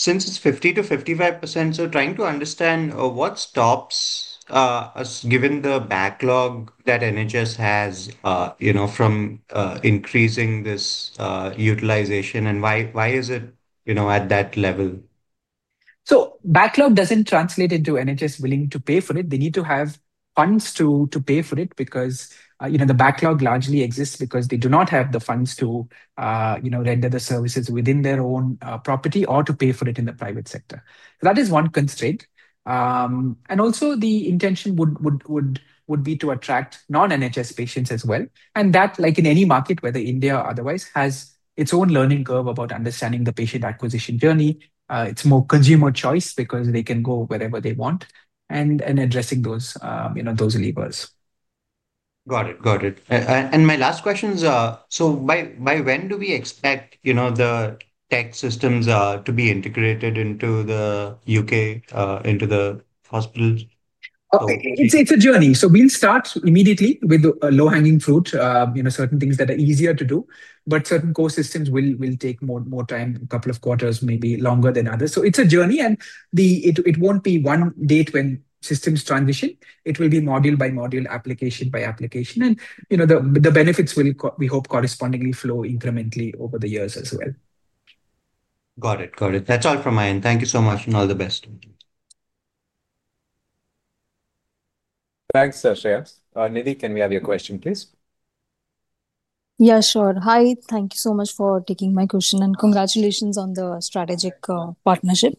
S13: Since it's 50%-55%, so trying to understand, what stops us, given the backlog that NHS has, from increasing this utilization? Why is it at that level?
S2: Backlog does not translate into NHS willing to pay for it. They need to have funds to pay for it, because the backlog largely exists because they do not have the funds to render the services within their own property or to pay for it in the private sector. That is one constraint. Also, the intention would be to attract non-NHS patients as well. That, like in any market, whether India or otherwise, has its own learning curve about understanding the patient acquisition journey. It is more consumer choice, because they can go wherever they want and addressing those levers.
S13: Got it. My last question is, so by when do we expect the tech systems to be integrated into the U.K., into the hospitals?
S2: I would say it's a journey. We'll start immediately with the low-hanging fruit, certain things that are easier to do. Certain core systems will take more time, a couple of quarters maybe longer than others. It's a journey. It will not be one date when systems transition. It will be module by module, application by application. The benefits will, we hope, correspondingly flow incrementally over the years as well.
S13: Got it. That's all from my end. Thank you so much, and all the best.
S1: Thanks, Shayans. Nidhi, can we have your question, please?
S14: Yeah, sure. Hi. Thank you so much for taking my question, and congratulations on the strategic partnership.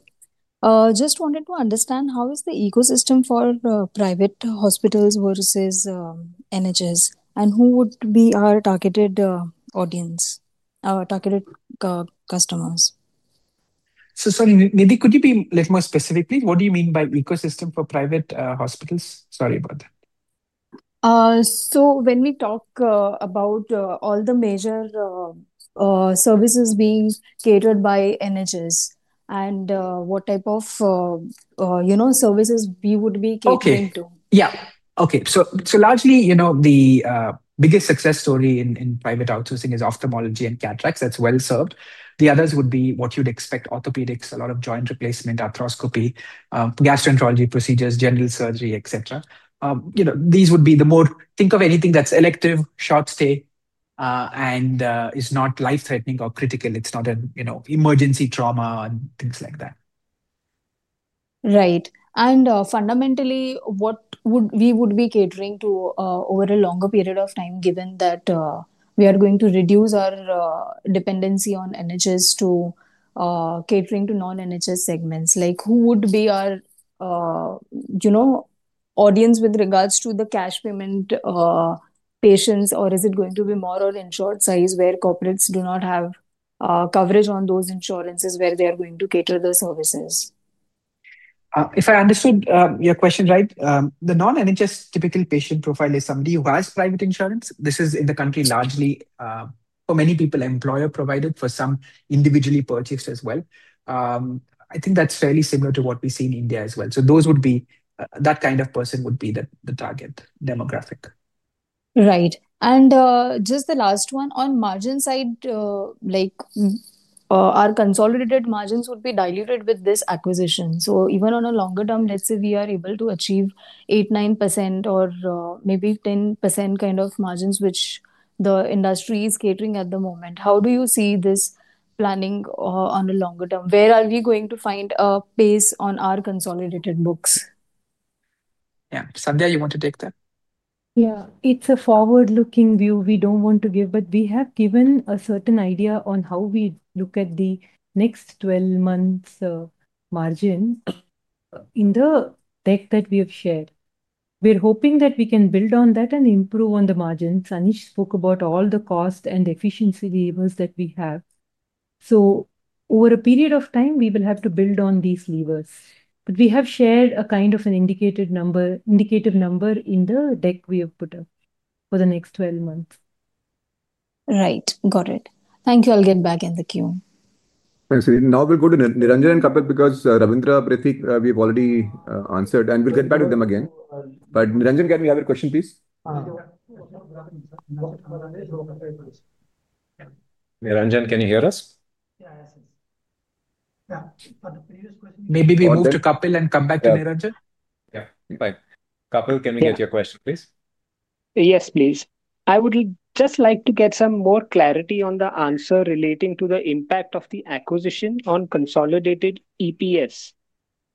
S14: Just wanted to understand, how is the ecosystem for private hospitals versus NHS and who would be our targeted customers?
S2: Sorry. Nidhi, could you be a little more specific, please? What do you mean by ecosystem for private hospitals? Sorry about that.
S14: When we talk about all the major services being catered by NHS, and what type of services we would be catering to.
S2: Yeah, okay. Largely, the biggest success story in private outsourcing is ophthalmology and cataracts. That's well served. The others would be, what you'd expect, orthopedics, a lot of joint replacement, arthroscopy, gastroenterology procedures, general surgery, etc. These would be the more, think of anything that's elective, short stay, and is not life-threatening or critical. It's not an emergency trauma and things like that.
S14: Right. Fundamentally, what we would be catering to over a longer period of time, given that we are going to reduce our dependency on NHS on catering to non-NHS segments. Who would be our audience with regards to the cash payment patients, or is it going to be more on insured sites where corporates do not have coverage on those insurances where they are going to cater the services?
S2: If I understood your question right, the non-NHS typical patient profile is somebody who has private insurance. This is in the country largely, for many people, employer-provided, for some, individually purchased as well. I think that's fairly similar to what we see in India as well. That kind of person would be the target demographic.
S14: Right. Just the last one, on margin side. Our consolidated margins would be diluted with this acquisition. Even on a longer term, let's say we are able to achieve 8%, 9%, or maybe 10% kind of margins, which the industry is catering at the moment, how do you see this planning on a longer term? Where are we going to find a pace on our consolidated books?
S2: Yeah. Sandhya, you want to take that?
S3: Yeah. It's a forward-looking view we don't want to give, but we have given a certain idea on how we look at the next 12 months' margin. In the deck that we have shared, we're hoping that we can build on that and improve on the margins. Anesh spoke about all the cost and efficiency levers that we have. Over a period of time, we will have to build on these levers. We have shared a kind of an indicative number in the deck we have put up for the next 12 months.
S14: Right, got it. Thank you. I'll get back in the queue.
S1: Thanks. (crosstalk) Now we'll go to [Niranjan and Kapil] because Ravithik, we've already answered, and we'll get back to them again. Niranjan, can we have your question, please?
S15: (crosstalk)
S1: Niranjan, can you hear us?
S15: Yes. (crosstalk)
S4: Maybe we move to Kapil and come back to Niranjan.
S1: Yeah, fine. Kapil, can we get your question, please?
S16: Yes, please. I would just like to get some more clarity on the answer relating to the impact of the acquisition on consolidated EPS.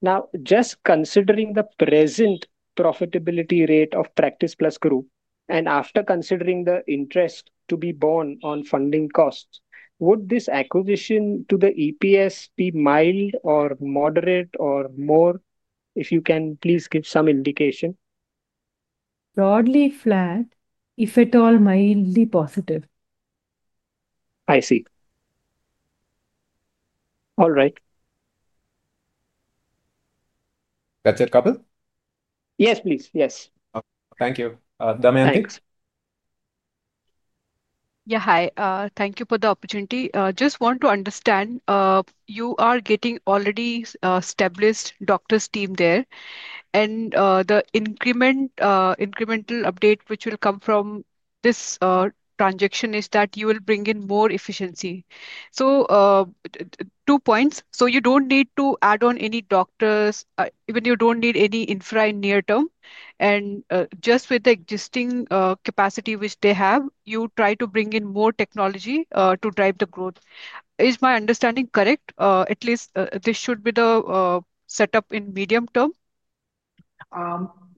S16: Now, just considering the present profitability rate of Practice Plus Group, and after considering the interest to be borne on funding costs, would this acquisition to the EPS be it mild or moderate or more? If you can, please give some indication.
S3: Broadly flat, if at all mildly positive.
S16: I see. All right.
S1: That's it, Kapil?
S16: Yes, please. Yes.
S1: Thank you. [Damyanti], please.
S17: Yeah. Hi, thank you for the opportunity. I just want to understand, you are getting already an established doctors' team there, and the incremental update which will come from this transaction is that you will bring in more efficiency. Two points, you don't need to add on any doctors. Even you do not need any infra in near term. Just with the existing capacity which they have, you try to bring in more technology to drive the growth. Is my understanding correct? At least this should be the setup in medium term.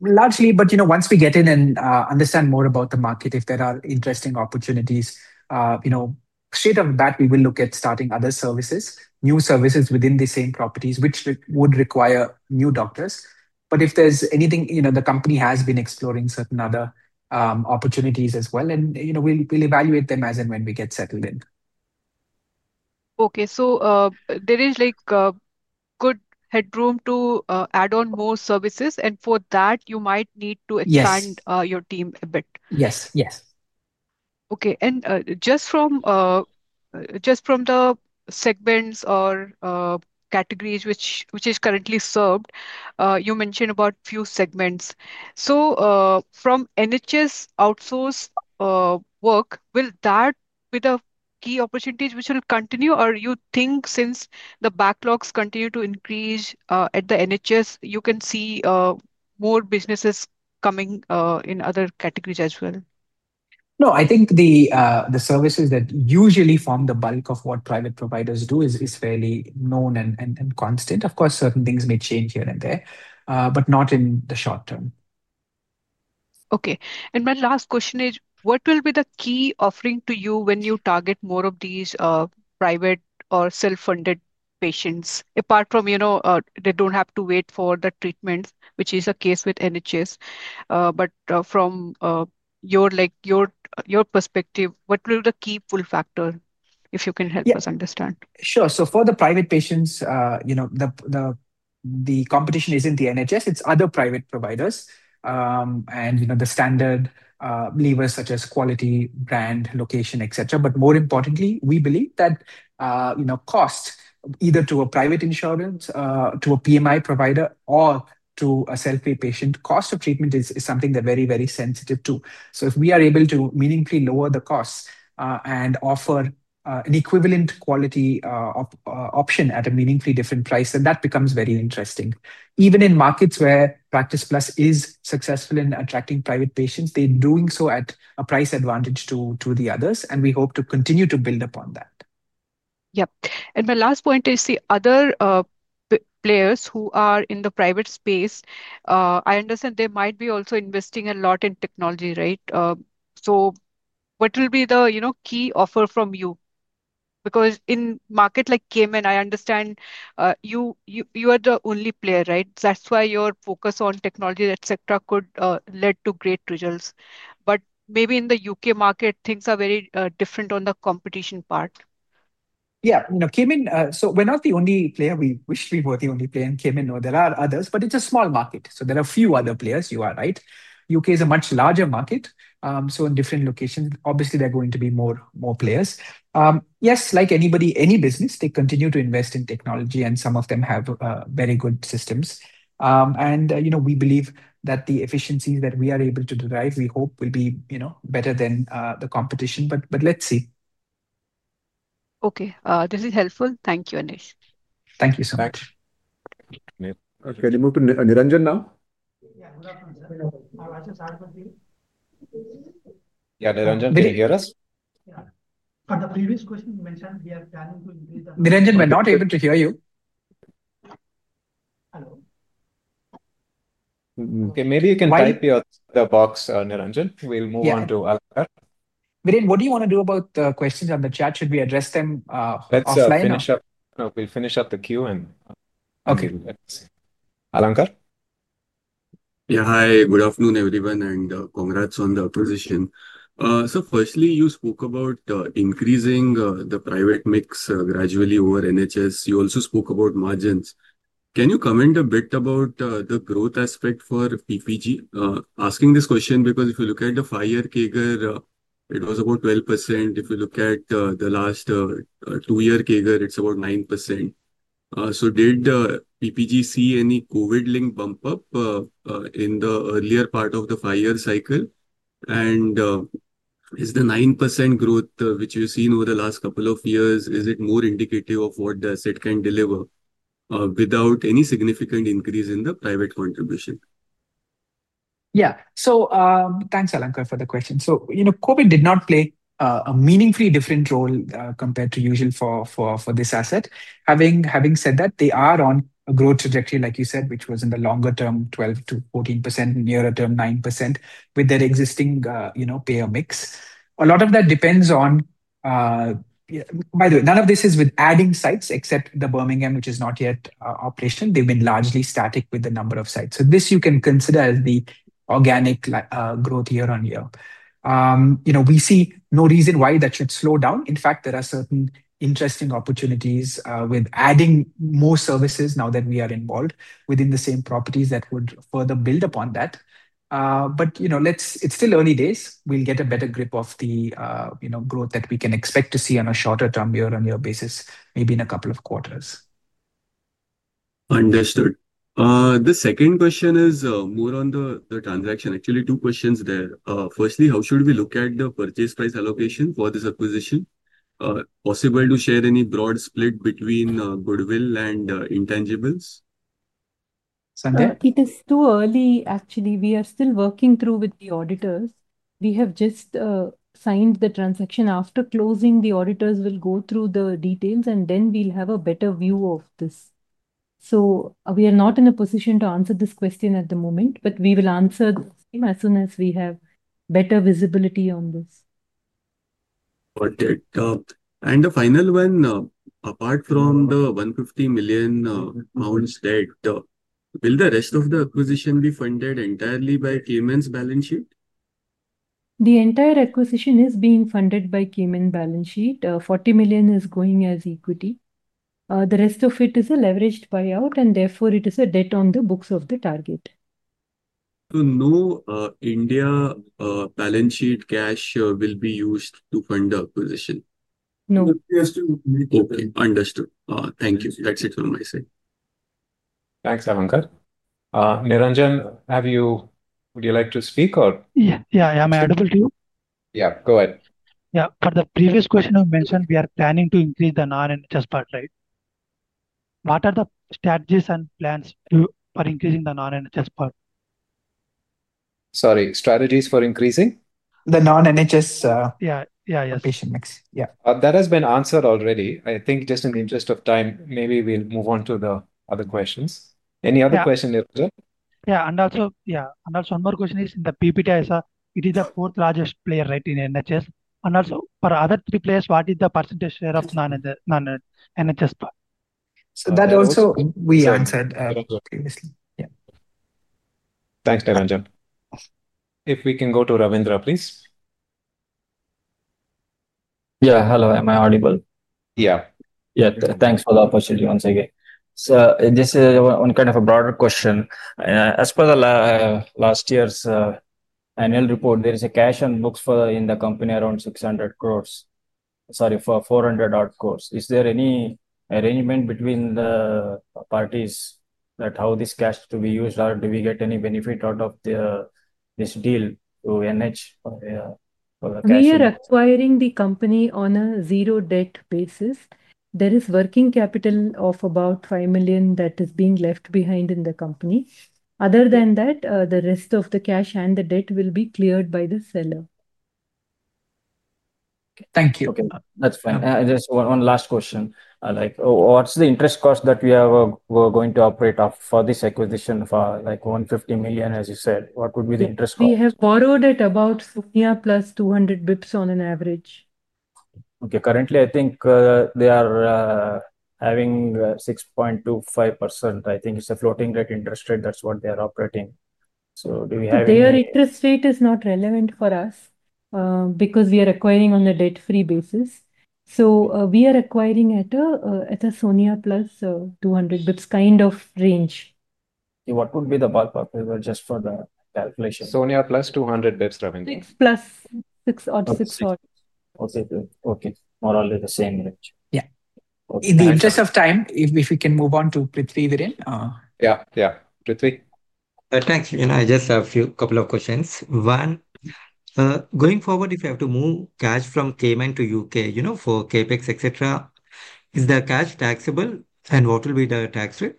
S2: Largely, but once we get in and understand more about the market, if there are interesting opportunities, straight off the bat, we will look at starting other services, new services within the same properties, which would require new doctors. If there's anything, the company has been exploring certain other opportunities as well. We will evaluate them as and when we get settled in.
S17: Okay. There is good headroom to add on more services. For that, you might need to expand your team a bit.
S2: Yes.
S17: Okay. Just from the segments or categories which is currently served, you mentioned about a few segments. From NHS outsource work, will that be the key opportunities which will continue or you think since the backlogs continue to increase at the NHS, you can see more businesses coming in other categories as well?
S2: No, I think the services that usually form the bulk of what private providers do is fairly known and constant. Of course, certain things may change here and there, but not in the short term.
S17: Okay. My last question is, what will be the key offering to you when you target more of these private or self-funded patients, apart from, they do not have to wait for the treatment, which is the case with NHS? From your perspective, what will be the key pull factor, if you can help us understand?
S2: Sure. For the private patients, the competition is not the NHS. It's other private providers, and the standard levers such as quality, brand, location, etc. More importantly, we believe that cost, either to a private insurance, to a DMI provider or to a self-pay patient, cost of treatment is something they are very, very sensitive to. If we are able to meaningfully lower the costs and offer an equivalent quality option at a meaningfully different price, then that becomes very interesting. Even in markets where Practice Plus is successful in attracting private patients, they're doing so at a price advantage to the others. We hope to continue to build upon that.
S17: Yep. My last point is, the other players who are in the private space, I understand they might be also investing a lot in technology, right? What will be the key offer from you? In markets like Cayman, I understand you are the only player, right? That is why your focus on technology, etc., led to great results. Maybe in the U.K. market, things are very different on the competition part.
S2: Yeah. In Cayman, we're not the only player. We wish we were the only player in Cayman. There are others, but it's a small market. There are a few other players. You are right. U.K. is a much larger market. In different locations, obviously there are going to be more players. Yes, like anybody, any business, they continue to invest in technology and some of them have very good systems. We believe that the efficiencies that we are able to derive, we hope will be better than the competition, but let's see.
S17: Okay, this is helpful. Thank you, Anesh.
S2: Thank you so much.
S1: Thanks. Okay, can we move to Niranjan now?
S18: Yeah. (crosstalk)
S1: Yeah, Niranjan, can you hear us?
S15: For the previous question, you mentioned we are planning to. (crosstalk)
S4: Niranjan, we're not able to hear you. Okay. Maybe you can type your box, Niranjan. We'll move on to Alankar.
S1: Viren, what do you want to do about the questions on the chat? Should we address them offline?
S4: No, we'll finish up the queue and. (crosstalk)
S1: Okay.
S4: Alankar.
S19: Yeah. Hi. Good afternoon, everyone, and congrats on the acquisition. Firstly, you spoke about increasing the private mix gradually over NHS. You also spoke about margins. Can you comment a bit about the growth aspect for PPG? Asking this question because if you look at the five-year CAGR, it was about 12%. If you look at the last two-year CAGR, it's about 9%. Did PPG see any COVID-linked bump-up in the earlier part of the five-year cycle? The 9% growth which we've seen over the last couple of years, is it more indicative of what the asset can deliver without any significant increase in the private contribution?
S2: Yeah. Thanks, Alankar for the question. COVID did not play a meaningfully different role compared to usual for this asset. Having said that, they are on a growth trajectory, like you said, which was in the longer term, 12%-14%, nearer term 9%, with their existing payer mix. By the way, none of this is with adding sites except the Birmingham, which is not yet operational. They've been largely static with the number of sites. This, you can consider as the organic growth year-on-year. We see no reason why that should slow down. In fact, there are certain interesting opportunities with adding more services now, that we are involved, within the same properties that would further build upon that. It's still early days. We'll get a better grip of the growth that we can expect to see on a shorter term year-on-year basis, maybe in a couple of quarters.
S19: Understood. The second question is more on the transaction. Actually, two questions there. Firstly, how should we look at the purchase price allocation for this acquisition? Possible to share any broad split between goodwill and intangibles?
S2: Sandhya?
S3: It is too early, actually. We are still working through with the auditors. We have just signed the transaction. After closing, the auditors will go through the details and then we'll have a better view of this. We are not in a position to answer this question at the moment, but we will answer the same as soon as we have better visibility on this.
S19: Got it. The final one, apart from the 150 million pounds debt, will the rest of the acquisition be funded entirely by Cayman's balance sheet?
S3: The entire acquisition is being funded by Cayman's balance sheet. 40 million is going as equity. The rest of it is a leveraged buyout, and therefore it is a debt on the books of the target.
S19: No India balance sheet cash will be used to fund the acquisition?
S3: No.
S1: (crosstalk)
S19: Okay, understood. Thank you. That's it from my side.
S1: Thanks, Alankar. Niranjan, would you like to speak?
S15: Yeah. Yeah. Am I audible to you?
S1: Yeah, go ahead.
S15: Yeah. For the previous question you mentioned, we are planning to increase the non-NHS part, right? What are the strategies and plans for increasing the non-NHS part?
S1: Sorry, strategies for increasing?
S15: The non-NHS patient mix, yeah.
S1: That has been answered already. I think just in the interest of time, maybe we'll move on to the other questions. Any other question, Niranjan?
S15: Yeah. Also, one more question is, the PPT, it is the fourth largest player in NHS. Also, for the other three players, what is the percentage share of non-NHS part?
S4: That also, we answered previously, yeah.
S1: Thanks, Niranjan. If we can go to Ravindra, please.
S20: Yeah, hello. Am I audible?
S1: Yeah.
S20: Yeah. Thanks for the opportunity once again. This is one kind of a broader question. As per last year's annual report, there is a cash on books in the company around 400 crores. Is there any arrangement between the parties, that how this cash is to be used? Do we get any benefit out of this deal to NH for the? (crosstalk)
S3: We are acquiring the company on a zero-debt basis. There is working capital of about 5 million that is being left behind in the company. Other than that, the rest of the cash and the debt will be cleared by the seller.
S20: Thank you. Okay, that's fine. Just one last question. What's the interest cost that we are going to operat for this acquisition, for like 150 million, as you said? What would be the interest cost?
S3: We have borrowed at about SONIA +200 bps on an average.
S20: Okay. Currently, I think they are having 6.25%. I think it's a floating rate interest rate. That's what they are operating
S3: Their interest rate is not relevant for us, because we are acquiring on a debt-free basis. We are acquiring at a SONIA +200 bps kind of range.
S20: Yeah. What would be the ballpark? Just for the calculation?
S2: SONIA +200 basis points, Ravindra.
S3: Six plus six. (crosstalk) Okay, more or less the same range.
S1: Yeah. In the interest of time, if we can move on to [Prithvi].
S4: Yeah. [Prithvi]?
S21: Thanks. I just have a couple of questions. One, going forward, if you have to move cash from Cayman to U.K. for CapEx, etc., is the cash taxable and what will be the tax rate?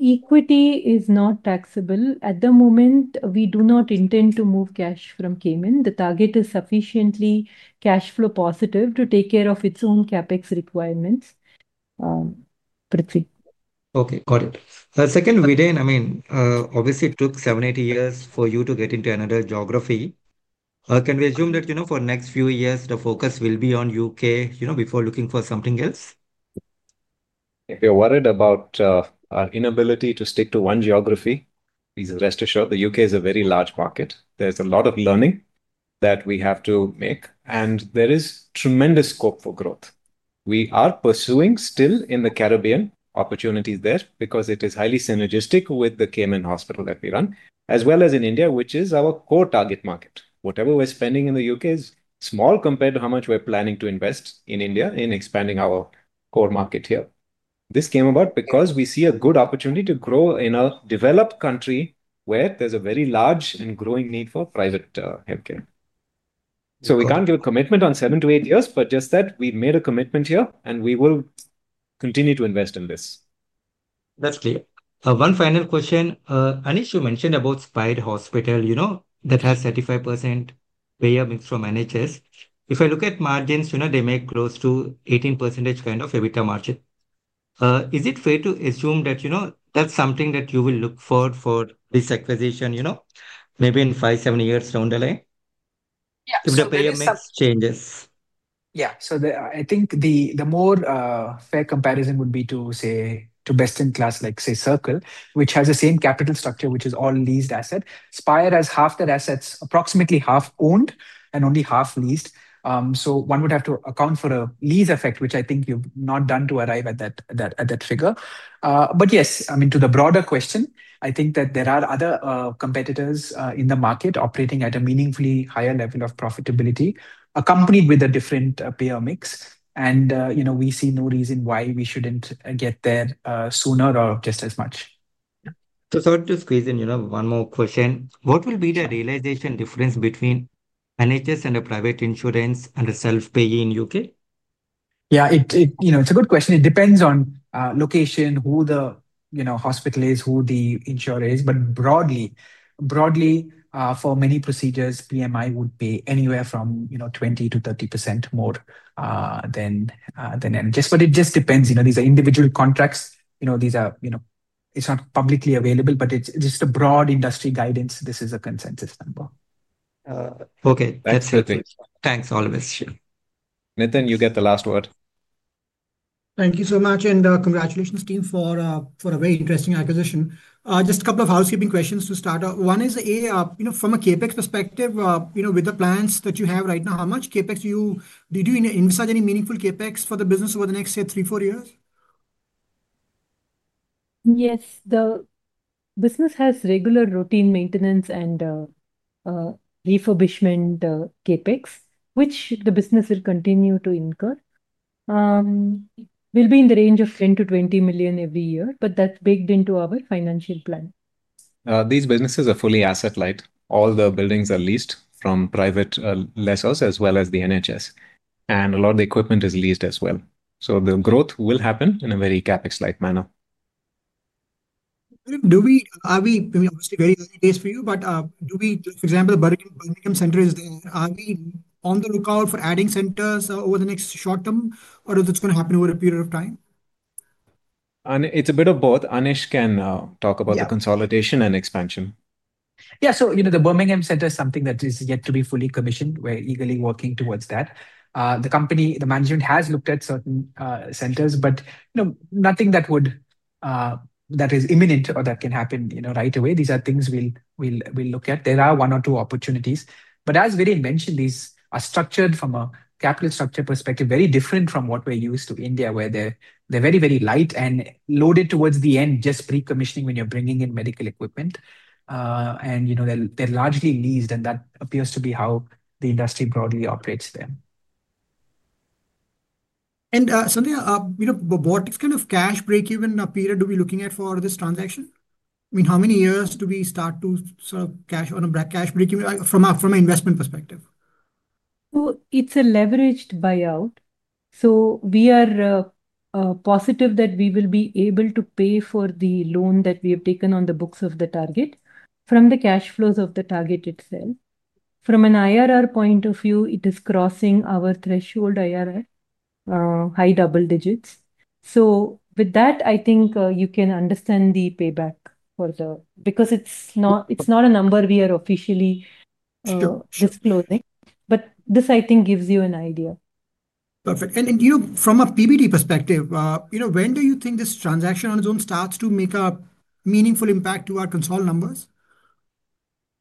S3: Equity is not taxable. At the moment, we do not intend to move cash from Cayman. The target is sufficiently cash flow positive, to take care of its own CapEx requirements, [Prithvi].
S21: Okay, got it. Second, Viren, I mean, obviously, it took seven, eight years for you to get into another geography. Can we assume that for the next few years, the focus will be on U.K. before looking for something else?
S4: If you're worried about our inability to stick to one geography, please rest assured, the U.K. is a very large market. There's a lot of learning that we have to make, and there is tremendous scope for growth. We are pursuing still in the Caribbean, opportunities there because it is highly synergistic with the Cayman Hospital that we run, as well as in India, which is our core target market. Whatever we're spending in the U.K. is small compared to how much we're planning to invest in India, in expanding our core market here. This came about because we see a good opportunity to grow in a developed country, where there's a very large and growing need for private healthcare. We can't give a commitment on seven to eight years, but just that we made a commitment here and we will continue to invest in this.
S21: That's clear. One final question. Anesh, you mentioned about Spire Hospital, that has 35% payer mix from NHS. If I look at margins, they may close to 18% kind of EBITDA margin. Is it fair to assume that that's something that you will look forward for this acquisition, maybe in five, seven years down the line, if the payer mix changes?
S2: Yeah. I think the more fair comparison would be to say, to best-in-class like say, Circle, which has the same capital structure, which is all leased asset. Spire has half their assets, approximately half owned and only half leased. One would have to account for a lease effect, which I think you've not done to arrive at that figure. Yes, I mean, to the broader question, I think that there are other competitors in the market operating at a meaningfully higher level of profitability, accompanied with a different payer mix. We see no reason why we shouldn't get there sooner or just as much.
S21: To squeeze in one more question, what will be the realization difference between NHS and a private insurance and a self-pay in U.K.?
S2: Yeah, it's a good question. It depends on location, who the hospital is, who the insurer is. Broadly, for many procedures, DMI would pay anywhere from 20%-30% more than NHS. It just depends. These are individual contracts. It's not publicly available, but it's just a broad industry guidance. This is a consensus number.
S20: Okay, that's [perfect]. Thanks. (crosstalk)
S1: Nathan, you get the last word.
S22: Thank you so much. Congratulations, team for a very interesting acquisition. Just a couple of housekeeping questions to start out. One is, from a CapEx perspective, with the plans that you have right now, do you (crosstalk) any meaningful CapEx for the business over the next say, three, four years?
S3: Yes. The business has regular routine maintenance and refurbishment CapEx, which the business will continue to incur. It will be in the range of 10 million-20 million every year, but that's baked into our financial plan.
S4: These businesses are fully asset-light. All the buildings are leased from private lessors, as well as the NHS. A lot of the equipment is leased as well. The growth will happen in a very CapEx-light manner.
S22: Obviously, [very early days] for you, but for example, the Birmingham Center, are we on the lookout for adding centers over the next short term, or it's going to happen over a period of time?
S1: It is a bit of both. Anesh can talk about the consolidation and expansion.
S2: Yeah. The Birmingham Center is something that is yet to be fully commissioned. We're eagerly working towards that. The management has looked at certain centers, but nothing that is imminent or that can happen right away. These are things we'll look at. There are one or two opportunities. As Viren mentioned, these are structured from a capital structure perspective, very different from what we're used to in India where they're very, very light and loaded towards the end, just pre-commissioning when you're bringing in medical equipment. They're largely leased, and that appears to be how the industry broadly operates there.
S22: Sandhya, what kind of cash break-even period do we look at for this transaction? I mean, how many years do we start to sort of cash break-even from an investment perspective?
S3: It's a leveraged buyout. We are positive that we will be able to pay for the loan that we have taken on the books of the target from the cash flows of the target itself. From an IRR point of view, it is crossing our threshold IRR, high double digits. With that, I think you can understand the payback, because it's not a number we are officially disclosing. This, I think, gives you an idea.
S22: Perfect. From a PBD perspective, when do you think this transaction on its own starts to make a meaningful impact to our consolidated numbers?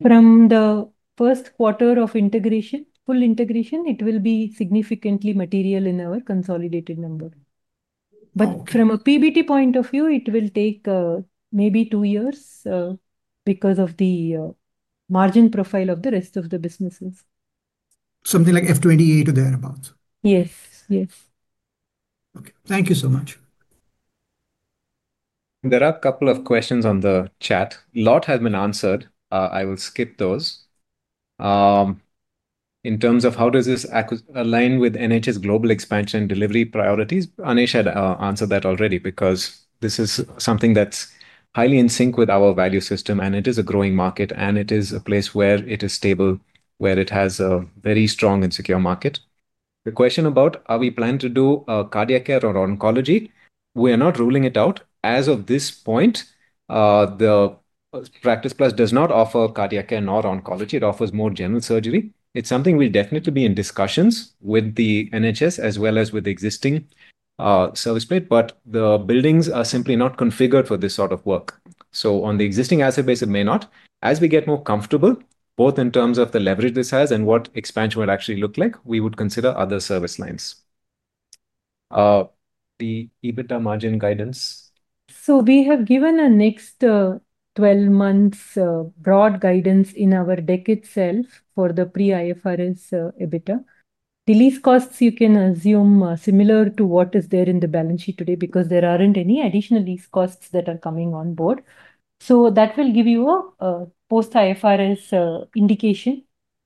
S3: From the first quarter of integration, full integration, it will be significantly material in our consolidated number. From a PBT point of view, it will take maybe two years because of the margin profile of the rest of the businesses.
S22: Something like FY 2028 or thereabouts?
S3: Yes.
S22: Okay. Thank you so much.
S1: There are a couple of questions on the chat. A lot have been answered. I will skip those. In terms of, how does this align with NHS global expansion and delivery priorities? Anesh had answered that already, because this is something that's highly in sync with our value system and it is a growing market, and it is a place where it is stable, where it has a very strong and secure market. The question about, are we planning to do cardiac care or oncology? We are not ruling it out. As of this point. the Practice Plus does not offer cardiac care nor oncology. It offers more general surgery. It's something we'll definitely be in discussions with the NHS as well as with the existing service plate, but the buildings are simply not configured for this sort of work. On the existing asset base, it may not. As we get more comfortable, both in terms of the leverage this has and what expansion would actually look like, we would consider other service lines. The EBITDA margin guidance.
S3: We have given a next 12-month broad guidance in our deck itself, for the pre-IFRS EBITDA. The lease costs, you can assume similar to what is there in the balance sheet today, because there aren't any additional lease costs that are coming on board. That will give you a post-IFRS indication.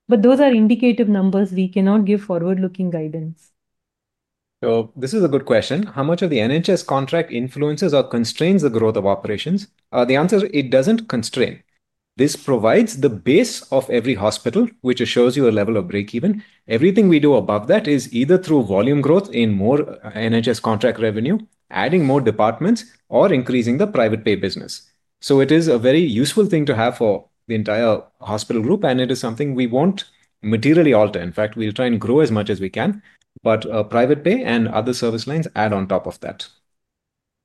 S3: Those are indicative numbers. We cannot give forward-looking guidance.
S1: This is a good question. How much of the NHS contract influences or constrains the growth of operations? The answer is it does not constrain. This provides the base of every hospital, which assures you a level of break-even. Everything we do above that is either through volume growth in more NHS contract revenue, adding more departments, or increasing the private pay business. It is a very useful thing to have for the entire hospital group, and it is something we will not materially alter. In fact, we will try and grow as much as we can. Private pay and other service lines add on top of that.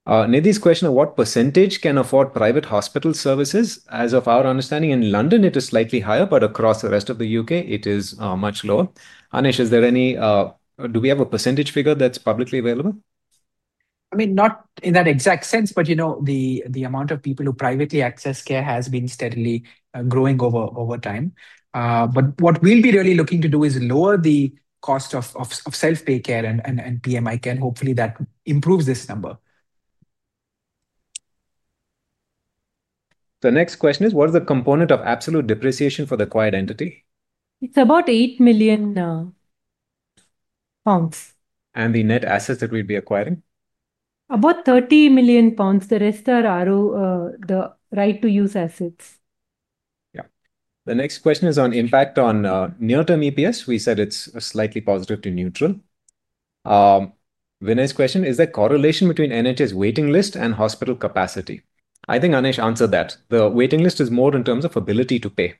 S1: Nidhi's question of, what percentage can afford private hospital services? As of our understanding, in London, it is slightly higher, but across the rest of the U.K., it is much lower. Anesh, do we have a % figure that is publicly available?
S2: I mean, not in that exact sense, but the amount of people who privately access care has been steadily growing over time. What we'll be really looking to do is lower the cost of self-pay care and DMI care. Hopefully, that improves this number.
S1: The next question is, what is the component of absolute depreciation for the acquired entity?
S3: It's about 8 million pounds.
S1: The net assets that we'll be acquiring?
S3: About 30 million pounds. The rest are the right-to-use assets.
S1: Yeah. The next question is on impact on near-term EPS. We said it's slightly positive to neutral. [Viren's] question, is there correlation between NHS waiting list and hospital capacity? I think Anesh answered that. The waiting list is more in terms of ability to pay.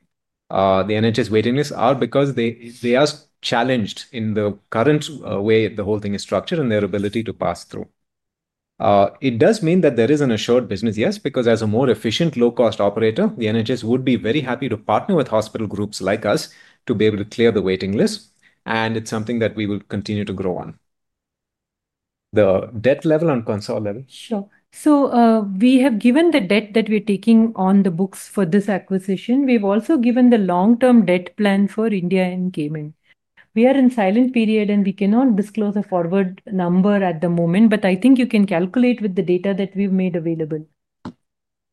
S1: The NHS waiting lists are because they are challenged in the current way the whole thing is structured, and their ability to pass through. It does mean that there is an assured business, yes, because as a more efficient, low-cost operator, the NHS would be very happy to partner with hospital groups like us to be able to clear the waiting list. It's something that we will continue to grow on. The debt level and consolidation.
S3: Sure. We have given the debt that we're taking on the books for this acquisition. We have also given the long-term debt plan for India and Cayman. We are in a silent period, and we cannot disclose a forward number at the moment, but I think you can calculate with the data that we've made available.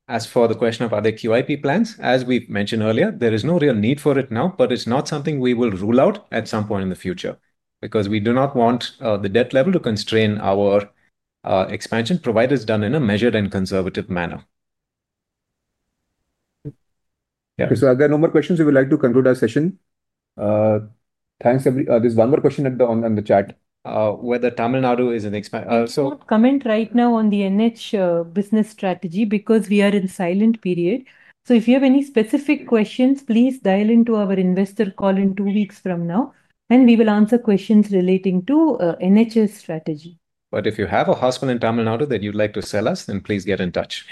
S1: As for the question of other QIP plans, as we mentioned earlier, there is no real need for it now, but it's not something we will rule out at some point in the future, because we do not want the debt level to constrain our expansion, provided it is done in a measured and conservative manner.
S4: Are there no more questions? We would like to conclude our session. Thanks. There's one more question on the chat. Whether Tamil Nadu is an expansion?
S3: I cannot comment right now on the NH business strategy because we are in a silent period. If you have any specific questions, please dial into our investor call-in two weeks from now, and we will answer questions relating to NHS strategy.
S4: If you have a hospital in Tamil Nadu that you'd like to sell us, then please get in touch.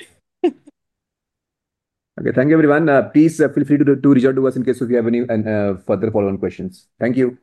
S1: Okay. Thank you, everyone. Please feel free to reach out to us in case you have any further follow-on questions. Thank you.